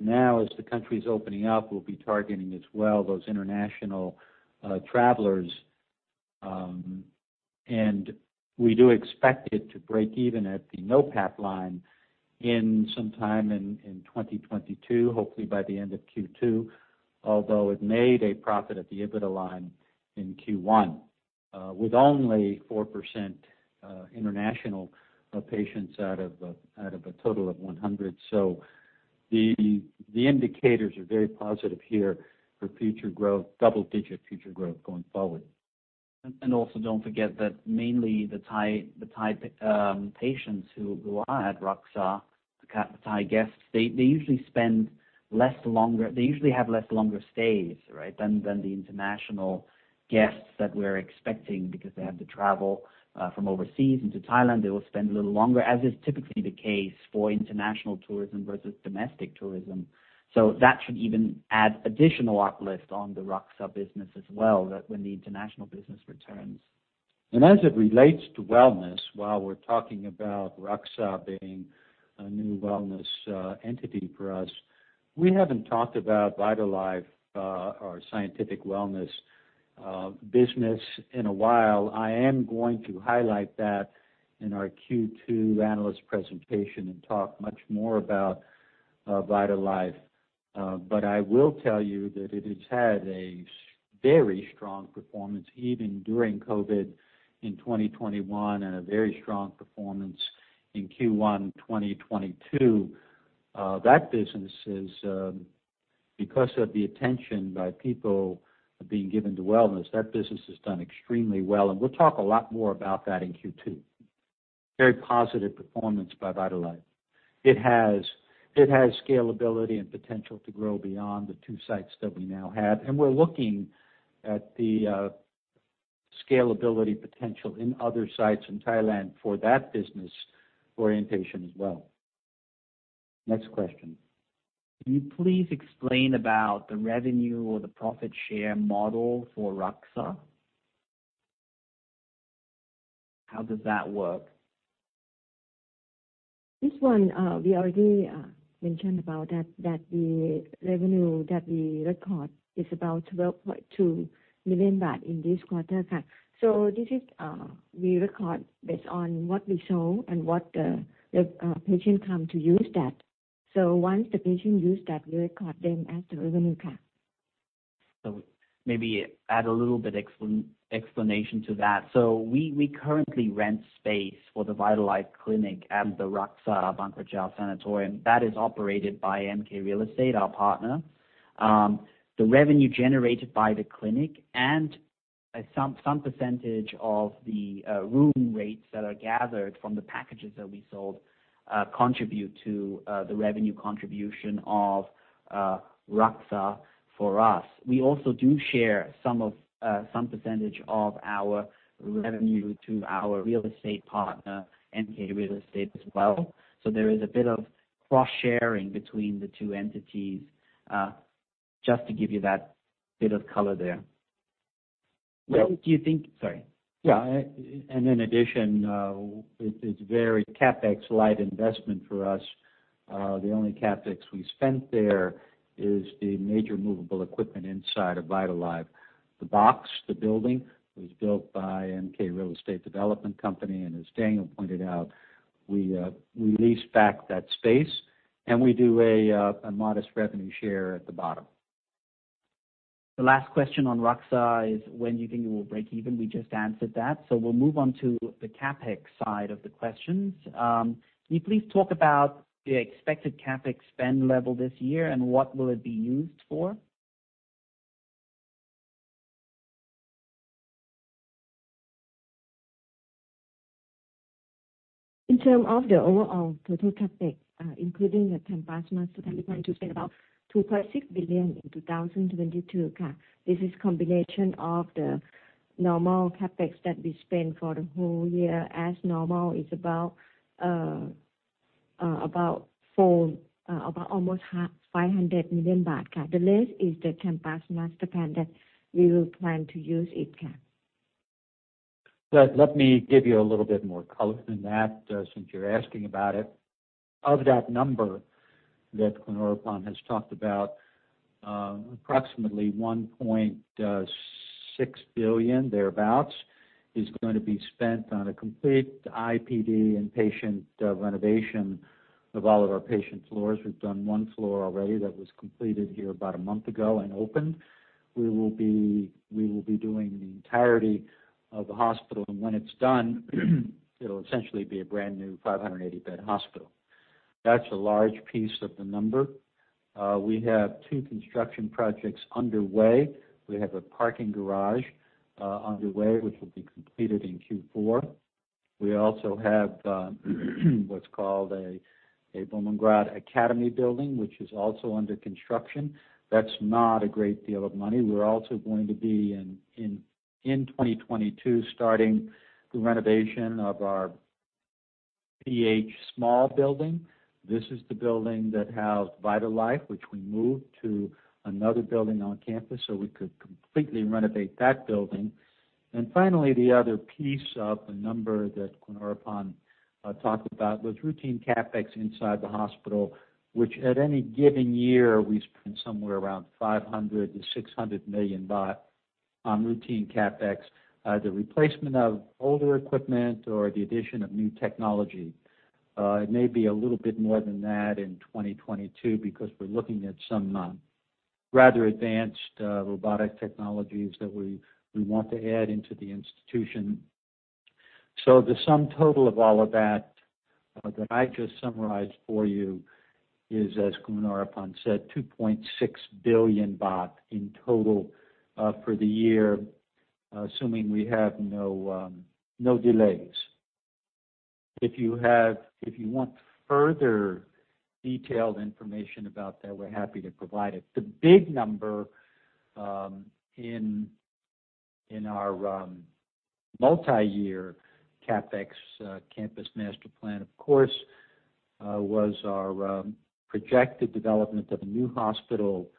Now as the country's opening up, we'll be targeting as well those international travelers. We do expect it to break even at the NOPAT line in some time in 2022, hopefully by the end of Q2. Although it made a profit at the EBITDA line in Q1 with only 4% international patients out of a total of 100. The indicators are very positive here for future growth, double-digit future growth going forward. Also don't forget that mainly the Thai patients who are at RAKxa, the Thai guests, they usually have less longer stays, right, than the international guests that we're expecting because they have to travel from overseas into Thailand. They will spend a little longer, as is typically the case for international tourism versus domestic tourism. That should even add additional uplift on the RAKxa business as well when the international business returns. As it relates to wellness, while we're talking about RAKxa being a new wellness entity for us, we haven't talked about VitalLife, our scientific wellness business in a while. I am going to highlight that in our Q2 analyst presentation and talk much more about VitalLife. But I will tell you that it has had a very strong performance even during COVID in 2021, and a very strong performance in Q1 2022. That business is, because of the attention by people being given to wellness, that business has done extremely well, and we'll talk a lot more about that in Q2. Very positive performance by VitalLife. It has scalability and potential to grow beyond the two sites that we now have, and we're looking at the scalability potential in other sites in Thailand for that business orientation as well. Next question. Can you please explain about the revenue or the profit share model for RAKxa? How does that work? This one, we already mentioned about that the revenue that we record is about 12.2 million baht in this quarter. This is we record based on what we sold and what the patient come to use that. Once the patient use that, we record them as the revenue cap. Maybe add a little bit explanation to that. We currently rent space for the VitalLife clinic at the RAKxa Bang Krachao Sanatorium. That is operated by M.K. Real Estate, our partner. The revenue generated by the clinic and some percentage of the room rates that are gathered from the packages that we sold contribute to the revenue contribution of RAKxa for us. We also do share some percentage of our revenue to our real estate partner, M.K. Real Estate, as well. There is a bit of cross-sharing between the two entities, just to give you that bit of color there. Well- Sorry. In addition, it is very CapEx light investment for us. The only CapEx we spent there is the major movable equipment inside of VitalLife. The box, the building, was built by M.K. Real Estate Development Company, and as Daniel pointed out, we lease back that space, and we do a modest revenue share at the bottom. The last question on RAKxa is when do you think it will break even? We just answered that, so we'll move on to the CapEx side of the questions. Can you please talk about the expected CapEx spend level this year and what will it be used for? In terms of the overall total CapEx, including the Campus Master Plan, we plan to spend about 2.6 billion in 2022. This is combination of the normal CapEx that we spend for the whole year. As normal is about almost 500 million baht. The rest is the Campus Master Plan that we will plan to use it. Let me give you a little bit more color than that, since you're asking about it. Of that number that Khun has talked about, approximately 1.6 billion thereabouts is going to be spent on a complete IPD and patient renovation of all of our patient floors. We've done one floor already that was completed here about a month ago and opened. We will be doing the entirety of the hospital, and when it's done, it'll essentially be a brand-new 580-bed hospital. That's a large piece of the number. We have two construction projects underway. We have a parking garage underway, which will be completed in Q4. We also have what's called a Bumrungrad Academy building, which is also under construction. That's not a great deal of money. We're also going to be in 2022 starting the renovation of our BH small building. This is the building that housed VitalLife, which we moved to another building on campus, so we could completely renovate that building. Finally, the other piece of the number that Khun talked about was routine CapEx inside the hospital, which at any given year we spend somewhere around 500 million-600 million baht on routine CapEx. The replacement of older equipment or the addition of new technology. It may be a little bit more than that in 2022 because we're looking at some rather advanced robotic technologies that we want to add into the institution. The sum total of all of that that I just summarized for you is, as Khun said, 2.6 billion baht in total for the year, assuming we have no delays. If you want further detailed information about that, we're happy to provide it. The big number in our multi-year CapEx Campus Master Plan, of course, was our projected development of a new hospital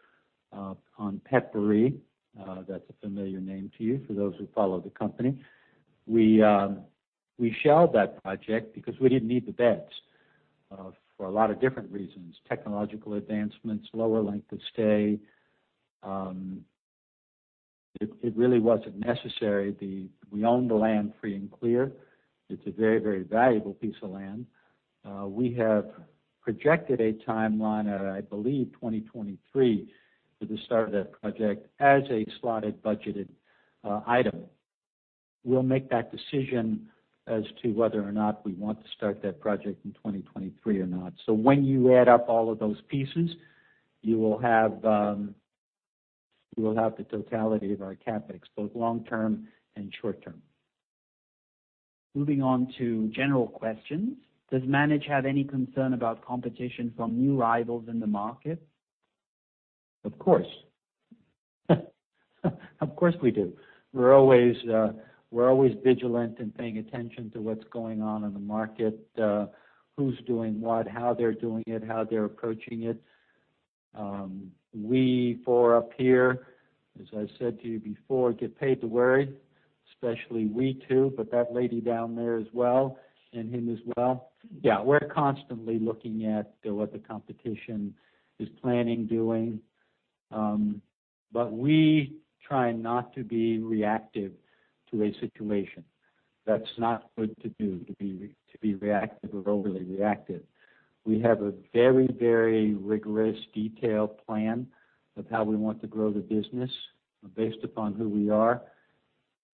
on Phetchaburi. That's a familiar name to you for those who follow the company. We shelved that project because we didn't need the beds for a lot of different reasons, technological advancements, lower length of stay. It really wasn't necessary. We own the land free and clear. It's a very, very valuable piece of land. We have projected a timeline at, I believe, 2023 for the start of that project as a slotted budgeted item. We'll make that decision as to whether or not we want to start that project in 2023 or not. When you add up all of those pieces, you will have the totality of our CapEx, both long term and short term. Moving on to general questions. Does management have any concern about competition from new rivals in the market? Of course, we do. We're always vigilant in paying attention to what's going on in the market, who's doing what, how they're doing it, how they're approaching it. We four up here, as I said to you before, get paid to worry, especially we two, but that lady down there as well and him as well. We're constantly looking at what the competition is planning and doing. But we try not to be reactive to a situation. That's not good to do, to be reactive or overly reactive. We have a very, very rigorous detailed plan of how we want to grow the business based upon who we are,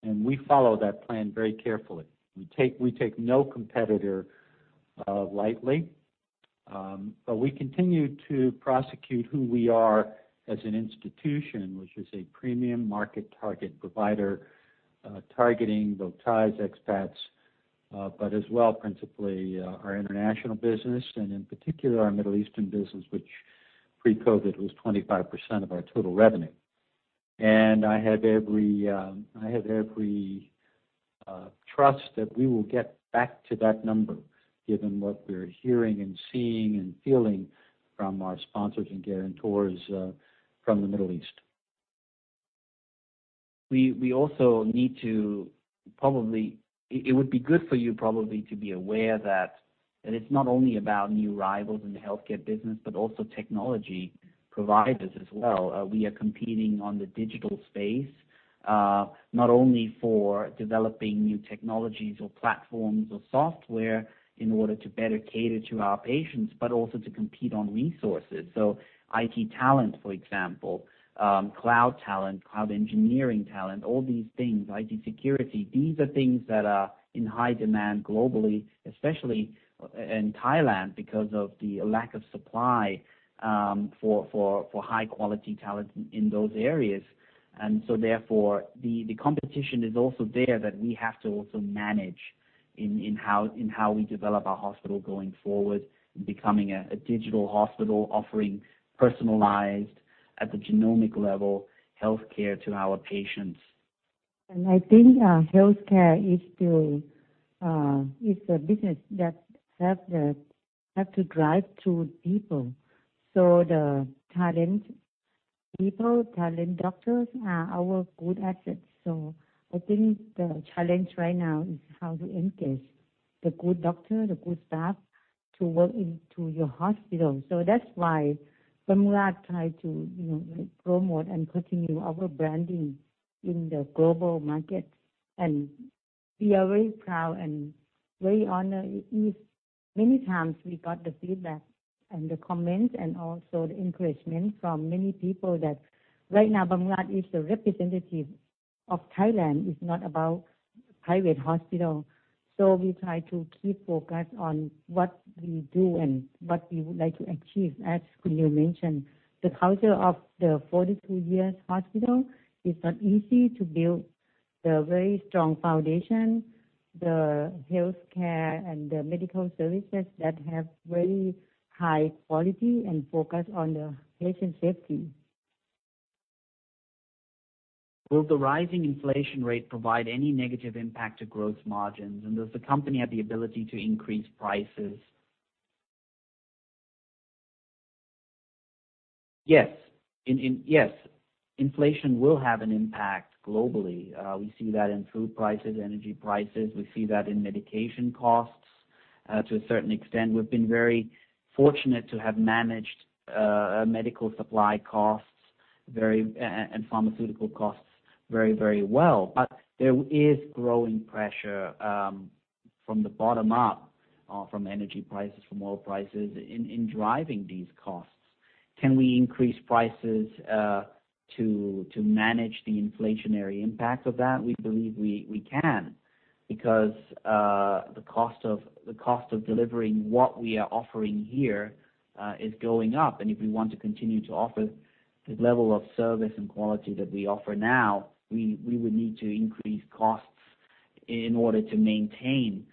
and we follow that plan very carefully. We take no competitor lightly. But we continue to prosecute who we are as an institution, which is a premium market target provider, targeting both Thais, expats, but as well, principally, our international business, and in particular, our Middle Eastern business, which pre-COVID was 25% of our total revenue. I have every trust that we will get back to that number given what we're hearing and seeing and feeling from our sponsors and guarantors from the Middle East. It would be good for you probably to be aware that it's not only about new rivals in the healthcare business, but also technology providers as well. We are competing on the digital space, not only for developing new technologies or platforms or software in order to better cater to our patients, but also to compete on resources. IT talent, for example, cloud talent, cloud engineering talent, all these things, IT security. These are things that are in high demand globally, especially in Thailand because of the lack of supply for high-quality talent in those areas. Therefore, the competition is also there that we have to also manage in how we develop our hospital going forward and becoming a digital hospital offering personalized at the genomic level healthcare to our patients. I think healthcare is still a business that have to drive through people. The talent people, talent doctors are our good assets. I think the challenge right now is how to engage the good doctor, the good staff to work into your hospital. That's why Bumrungrad try to, you know, like, promote and continue our branding in the global market. We are very proud and very honored. Many times we got the feedback and the comments and also the encouragement from many people that right now Bumrungrad is the representative of Thailand. It's not about private hospital. We try to keep focused on what we do and what we would like to achieve. As Neil mentioned, the culture of the 42 years hospital is not easy to build the very strong foundation, the healthcare and the medical services that have very high quality and focus on the patient safety. Will the rising inflation rate provide any negative impact to growth margins? And does the company have the ability to increase prices? Yes. Yes, inflation will have an impact globally. We see that in food prices, energy prices. We see that in medication costs to a certain extent. We've been very fortunate to have managed medical supply costs very and pharmaceutical costs very, very well. There is growing pressure from the bottom up from energy prices, from oil prices driving these costs. Can we increase prices to manage the inflationary impact of that? We believe we can because the cost of delivering what we are offering here is going up. If we want to continue to offer the level of service and quality that we offer now, we would need to increase costs in order to maintain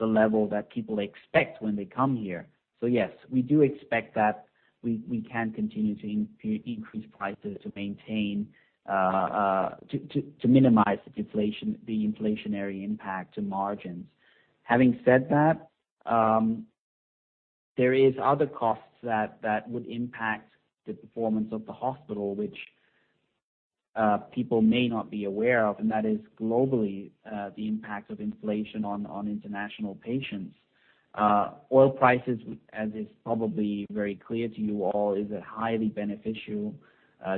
the level that people expect when they come here. Yes, we do expect that we can continue to increase prices to maintain to minimize the inflationary impact to margins. Having said that, there is other costs that would impact the performance of the hospital, which people may not be aware of, and that is globally the impact of inflation on international patients. Oil prices, as is probably very clear to you all, is a highly beneficial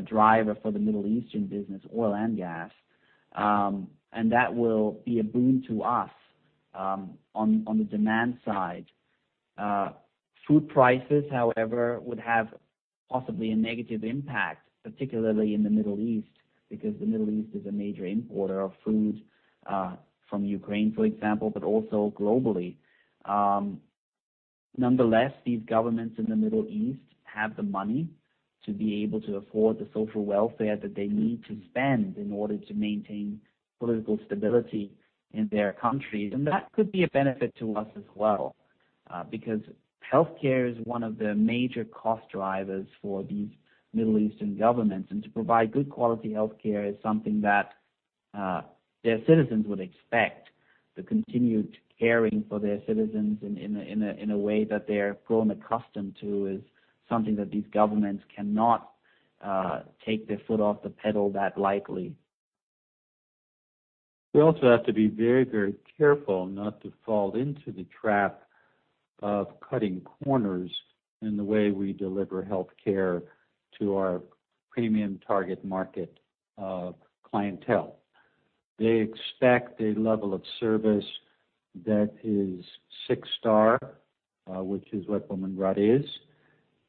driver for the Middle Eastern business, oil and gas. That will be a boon to us on the demand side. Food prices, however, would have possibly a negative impact, particularly in the Middle East, because the Middle East is a major importer of food from Ukraine, for example, but also globally. Nonetheless, these governments in the Middle East have the money to be able to afford the social welfare that they need to spend in order to maintain political stability in their countries. That could be a benefit to us as well, because healthcare is one of the major cost drivers for these Middle Eastern governments. To provide good quality health care is something that their citizens would expect. The continued caring for their citizens in a way that they have grown accustomed to is something that these governments cannot take their foot off the pedal that likely. We have to be very, very careful not to fall into the trap of cutting corners in the way we deliver healthcare to our premium target market of clientele. They expect a level of service that is six-star, which is what Bumrungrad is.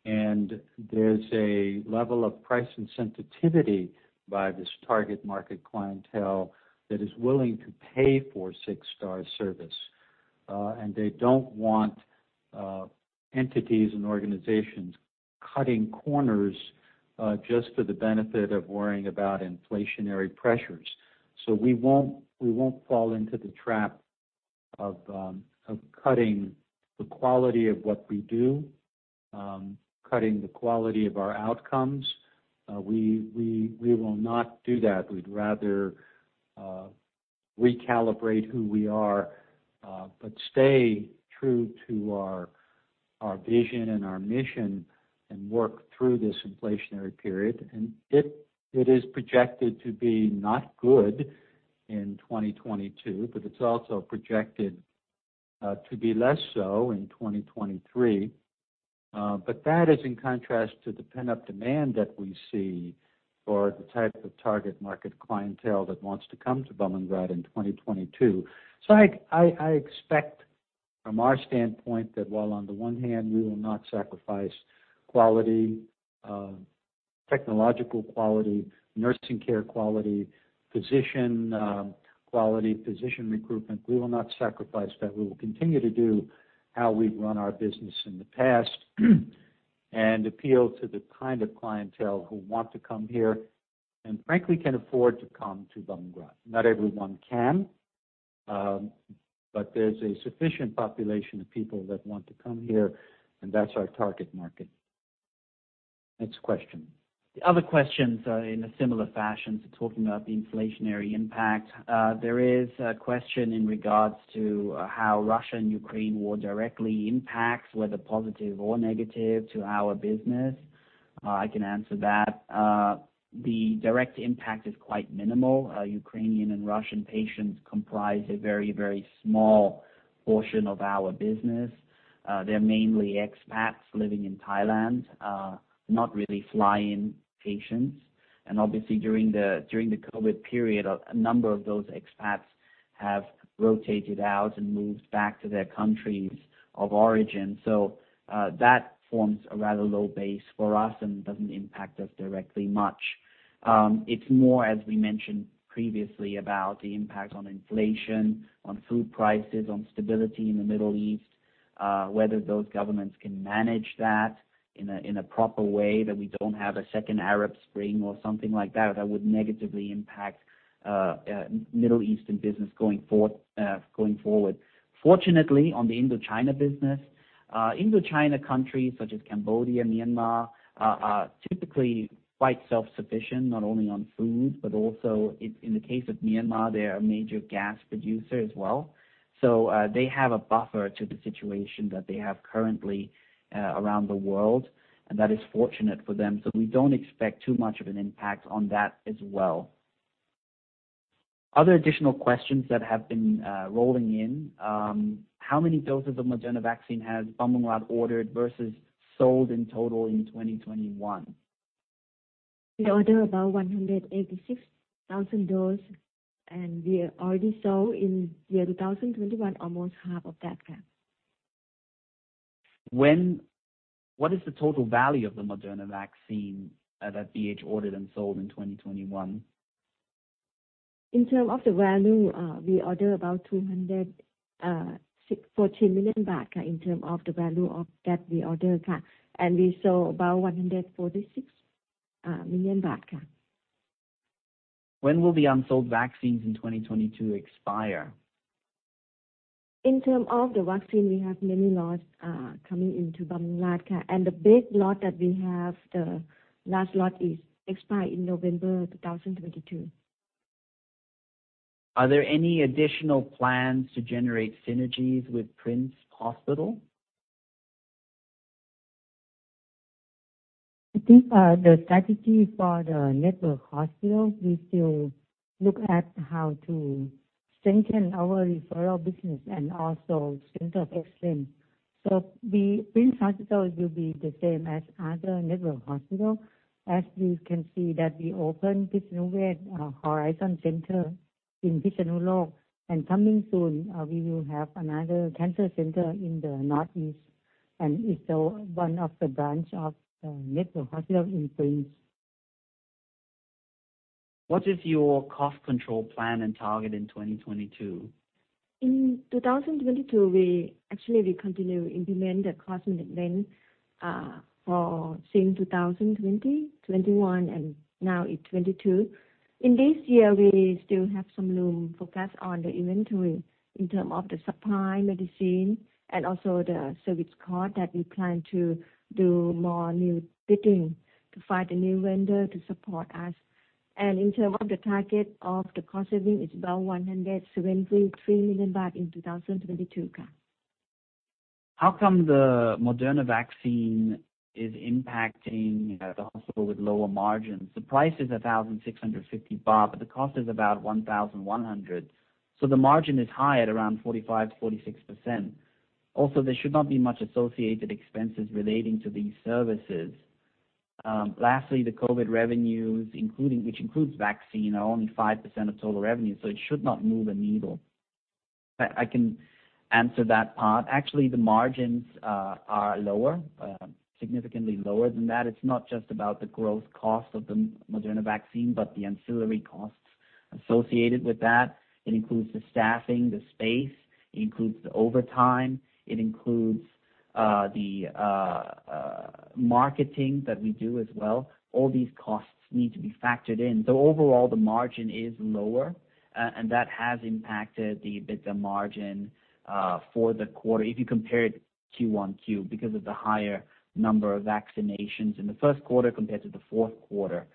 There's a level of price and sensitivity by this target market clientele that is willing to pay for six-star service. They don't want entities and organizations cutting corners just for the benefit of worrying about inflationary pressures. We won't fall into the trap of cutting the quality of what we do, cutting the quality of our outcomes. We will not do that. We'd rather recalibrate who we are, but stay true to our vision and our mission and work through this inflationary period. It is projected to be not good in 2022, but it's also projected to be less so in 2023. That is in contrast to the pent-up demand that we see for the type of target market clientele that wants to come to Bumrungrad in 2022. I expect from our standpoint that while on the one hand, we will not sacrifice quality, technological quality, nursing care quality, physician quality, physician recruitment, we will not sacrifice that. We will continue to do how we've run our business in the past and appeal to the kind of clientele who want to come here, and frankly, can afford to come to Bumrungrad. Not everyone can, but there's a sufficient population of people that want to come here, and that's our target market. Next question. The other questions are in a similar fashion to talking about the inflationary impact. There is a question in regard to how Russia and Ukraine war directly impacts, whether positive or negative, to our business. I can answer that. The direct impact is quite minimal. Ukrainian and Russian patients comprise a very, very small portion of our business. They're mainly expats living in Thailand, not really fly-in patients. Obviously, during the COVID period, a number of those expats have rotated out and moved back to their countries of origin. That forms a rather low base for us and doesn't impact us directly much. It's more, as we mentioned previously, about the impact on inflation, on food prices, on stability in the Middle East, whether those governments can manage that in a proper way that we don't have a second Arab Spring or something like that would negatively impact Middle Eastern business going forward. Fortunately, on the Indochina business, Indochina countries such as Cambodia, Myanmar, typically quite self-sufficient, not only on food, but also in the case of Myanmar, they're a major gas producer as well. They have a buffer to the situation that they have currently around the world, and that is fortunate for them. We don't expect too much of an impact on that as well. Other additional questions that have been rolling in, how many doses of Moderna vaccine has Bumrungrad ordered versus sold in total in 2021? We order about 186,000 dose, and we already sold in the year 2021, almost half of that, ka. What is the total value of the Moderna vaccine that BH ordered and sold in 2021? In terms of the value, we order about 214 million baht, ka, in terms of the value of that we order, ka. We sold about 146 million baht, ka. When will the unsold vaccines in 2022 expire? In terms of the vaccine, we have many lots coming into Bumrungrad, ka. The big lot that we have, the last lot is expire in November 2022. Are there any additional plans to generate synergies with Princ Hospital? I think, the strategy for the network hospital, we still look at how to strengthen our referral business and also Center of Excellence. The Princ Hospital will be the same as other network hospital. As you can see that we opened Phitsanulok Horizon Center in Phitsanulok, and coming soon, we will have another cancer center in the Northeast, and it's one of the branch of network hospital in Princ. What is your cost control plan and target in 2022? In 2022, we actually continue implement the cost management for since 2020, 2021 and now in 2022. In this year, we still have some room focused on the inventory in term of the supply medicine and also the service card that we plan to do more new bidding to find a new vendor to support us. In term of the target of the cost saving is about 173 million baht in 2022. How come the Moderna vaccine is impacting the hospital with lower margins? The price is 1,650 baht, but the cost is about 1,100. So the margin is high at around 45%-46%. Also, there should not be much associated expenses relating to these services. Lastly, the COVID revenues, which includes vaccine, are only 5% of total revenue, so it should not move a needle. I can answer that part. Actually, the margins are lower, significantly lower than that. It's not just about the gross cost of the Moderna vaccine, but the ancillary costs associated with that. It includes the staffing, the space. It includes the overtime. It includes the marketing that we do as well. All these costs need to be factored in. Overall, the margin is lower, and that has impacted the EBITDA margin for the quarter. If you compare it QoQ because of the higher number of vaccinations in the first quarter compared to the fourth quarter,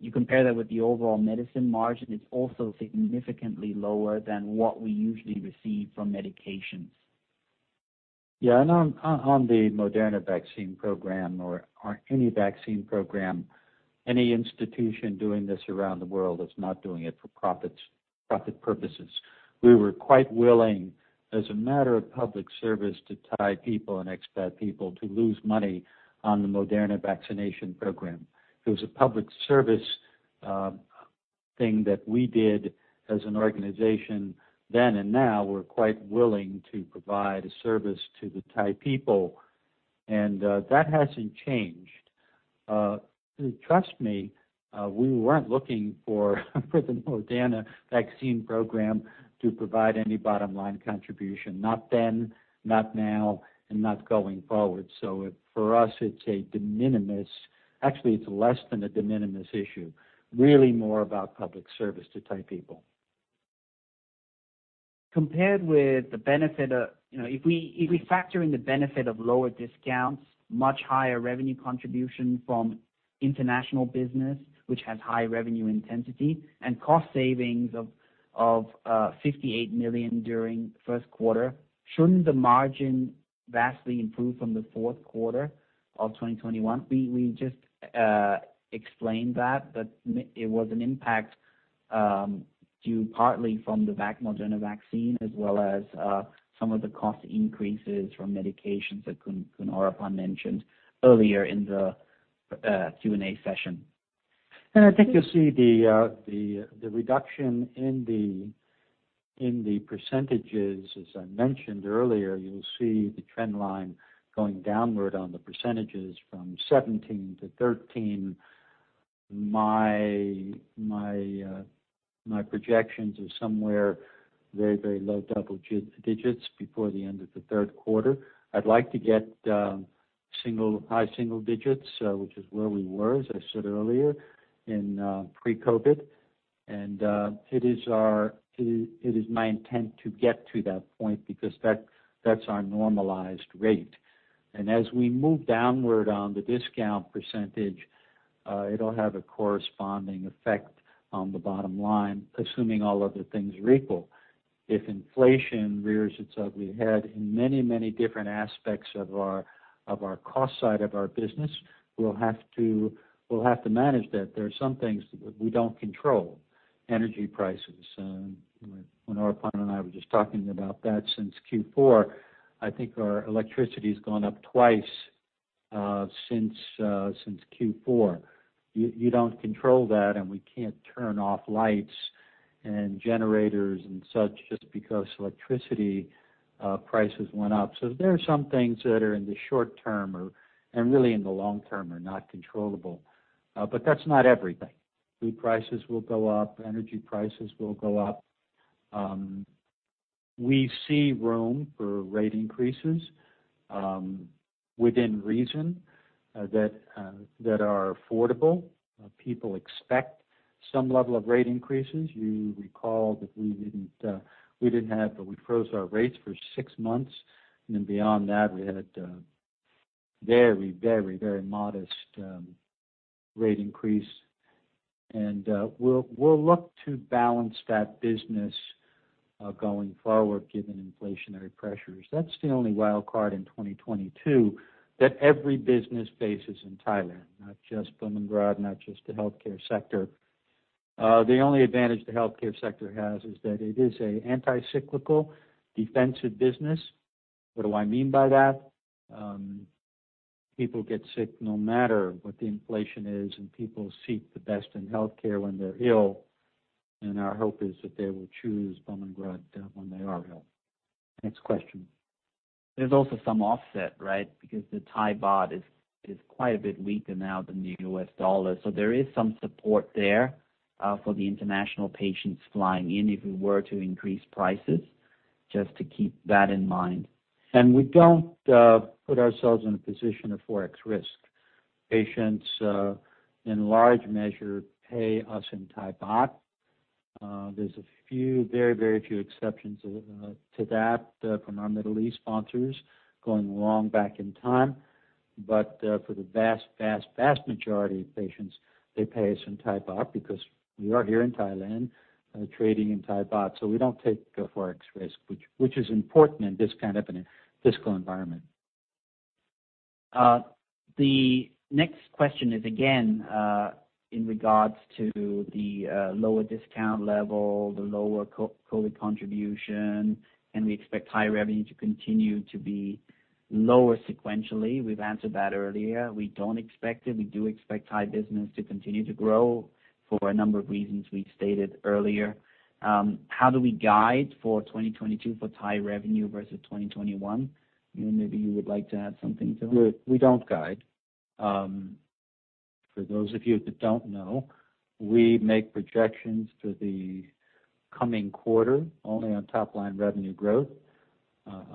you compare that with the overall medicine margin. It's also significantly lower than what we usually receive from medications. On the Moderna vaccine program or any vaccine program, any institution doing this around the world is not doing it for profits, profit purposes. We were quite willing, as a matter of public service to Thai people and expat people, to lose money on the Moderna vaccination program. It was a public service thing that we did as an organization then and now. We're quite willing to provide a service to the Thai people, and that hasn't changed. Trust me, we weren't looking for the Moderna vaccine program to provide any bottom-line contribution, not then, not now, and not going forward. For us, it's a de minimis. Actually, it's less than a de minimis issue, really more about public service to Thai people. Compared with the benefit of if we factor in the benefit of lower discounts, much higher revenue contribution from international business, which has high revenue intensity, and cost savings of 58 million during first quarter, shouldn't the margin vastly improve from the fourth quarter of 2021? We just explained that it was an impact due partly from the Moderna vaccine as well as some of the cost increases from medications that Khun mentioned earlier in the Q&A session. I think you'll see the reduction in the percentages, as I mentioned earlier. You'll see the trend line going downward on the percentages from 17% to 13%. My projections are somewhere very low double digits before the end of the third quarter. I'd like to get high single digits, which is where we were, as I said earlier, in pre-COVID. It is my intent to get to that point because that's our normalized rate. As we move downward on the discount percentage, it'll have a corresponding effect on the bottom line, assuming all other things are equal. If inflation rears its ugly head in many different aspects of our cost side of our business, we'll have to manage that. There are some things that we don't control, energy prices. When Oraphan and I were just talking about that since Q4, I think our electricity's gone up twice since Q4. You don't control that, and we can't turn off lights and generators and such just because electricity prices went up. There are some things that are in the short term and really in the long term are not controllable, but that's not everything. Food prices will go up. Energy prices will go up. We see room for rate increases within reason that are affordable. People expect some level of rate increases. You recall that we froze our rates for six months, and then beyond that, we had a very modest rate increase. We'll look to balance that business going forward given inflationary pressures. That's the only wild card in 2022 that every business faces in Thailand, not just Bumrungrad, not just the healthcare sector. The only advantage the healthcare sector has is that it is a counter-cyclical defensive business. What do I mean by that? People get sick no matter what the inflation is, and people seek the best in healthcare when they're ill, and our hope is that they will choose Bumrungrad when they are ill. Next question. There's also some offset, right? Because the Thai baht is quite a bit weaker now than the US dollar. There is some support there for the international patients flying in if we were to increase prices, just to keep that in mind. We don't put ourselves in a position of Forex risk. Patients in large measure pay us in Thai baht. There's a few very few exceptions to that, from our Middle East sponsors going long back in time, but for the vast majority of patients, they pay us in Thai baht because we are here in Thailand, trading in Thai baht. We don't take a Forex risk which is important in this kind of a fiscal environment. The next question is again in regards to the lower discount level, the lower COVID contribution, and we expect Thai revenue to continue to be lower sequentially. We've answered that earlier. We don't expect it. We do expect Thai business to continue to grow for a number of reasons we've stated earlier. How do we guide for 2022 for Thai revenue versus 2021? You know, maybe you would like to add something to it. We don't guide. For those of you that don't know, we make projections for the coming quarter only on top line revenue growth.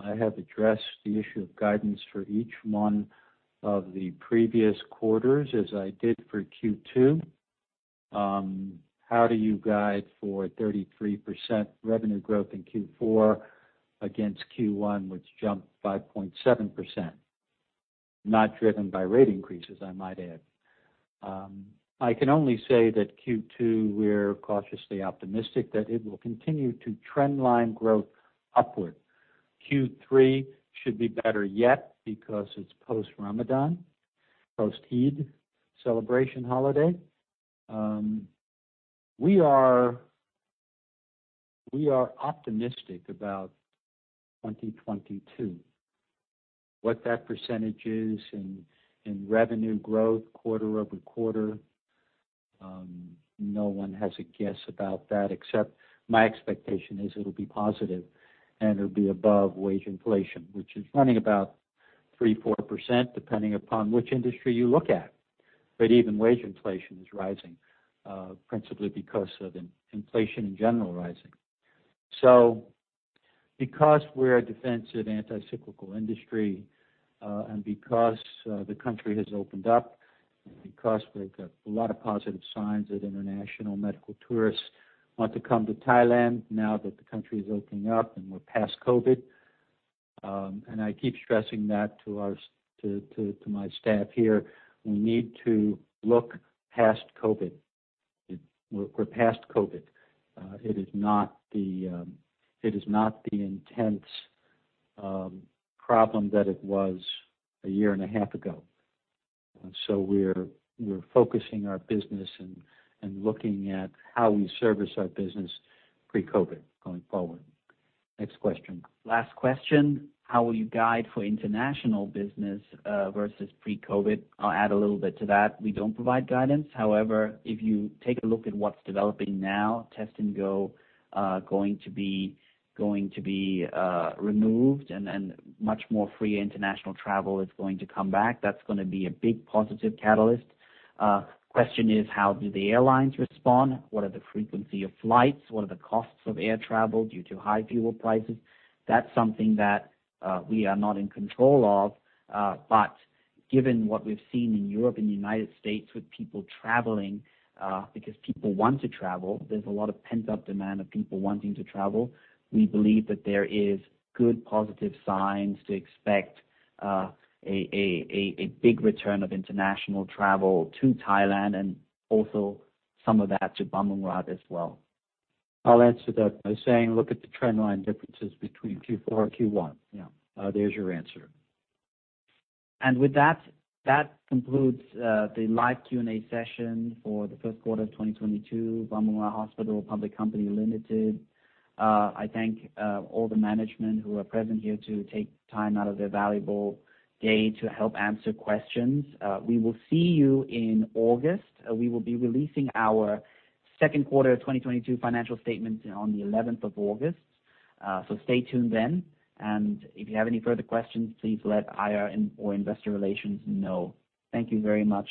I have addressed the issue of guidance for each one of the previous quarters as I did for Q2. How do you guide for 33% revenue growth in Q4 against Q1, which jumped by 0.7%? Not driven by rate increases, I might add. I can only say that Q2, we're cautiously optimistic that it will continue to trend line growth upward. Q3 should be better yet because it's post-Ramadan, post-Eid celebration holiday. We are optimistic about 2022. What that percentage is in revenue growth quarter-over-quarter, no one has a guess about that except my expectation is it'll be positive, and it'll be above wage inflation, which is running about 3%-4%, depending upon which industry you look at. Even wage inflation is rising, principally because of inflation in general rising. Because we're a defensive anti-cyclical industry, and because the country has opened up, and because we've got a lot of positive signs that international medical tourists want to come to Thailand now that the country is opening up and we're past COVID. I keep stressing that to my staff here. We need to look past COVID. We're past COVID. It is not the intense problem that it was a year and a half ago. We're focusing our business and looking at how we service our business pre-COVID going forward. Next question. Last question. How will you guide for international business versus pre-COVID? I'll add a little bit to that. We don't provide guidance. However, if you take a look at what's developing now, Test and Go going to be removed and then much more free international travel is going to come back. That's gonna be a big positive catalyst. Question is how do the airlines respond? What are the frequency of flights? What are the costs of air travel due to high fuel prices? That's something that we are not in control of, but given what we've seen in Europe and United States with people traveling, because people want to travel, there's a lot of pent-up demand of people wanting to travel. We believe that there is good positive signs to expect a big return of international travel to Thailand and also some of that to Bumrungrad as well. I'll answer that by saying look at the trend line differences between Q4 and Q1. Yeah. There's your answer. With that concludes the live Q&A session for the first quarter of 2022, Bumrungrad Hospital Public Company Limited. I thank all the management who are present here to take time out of their valuable day to help answer questions. We will see you in August. We will be releasing our second quarter of 2022 financial statements on the 11th of August, so stay tuned then. If you have any further questions, please let IR or investor relations know. Thank you very much.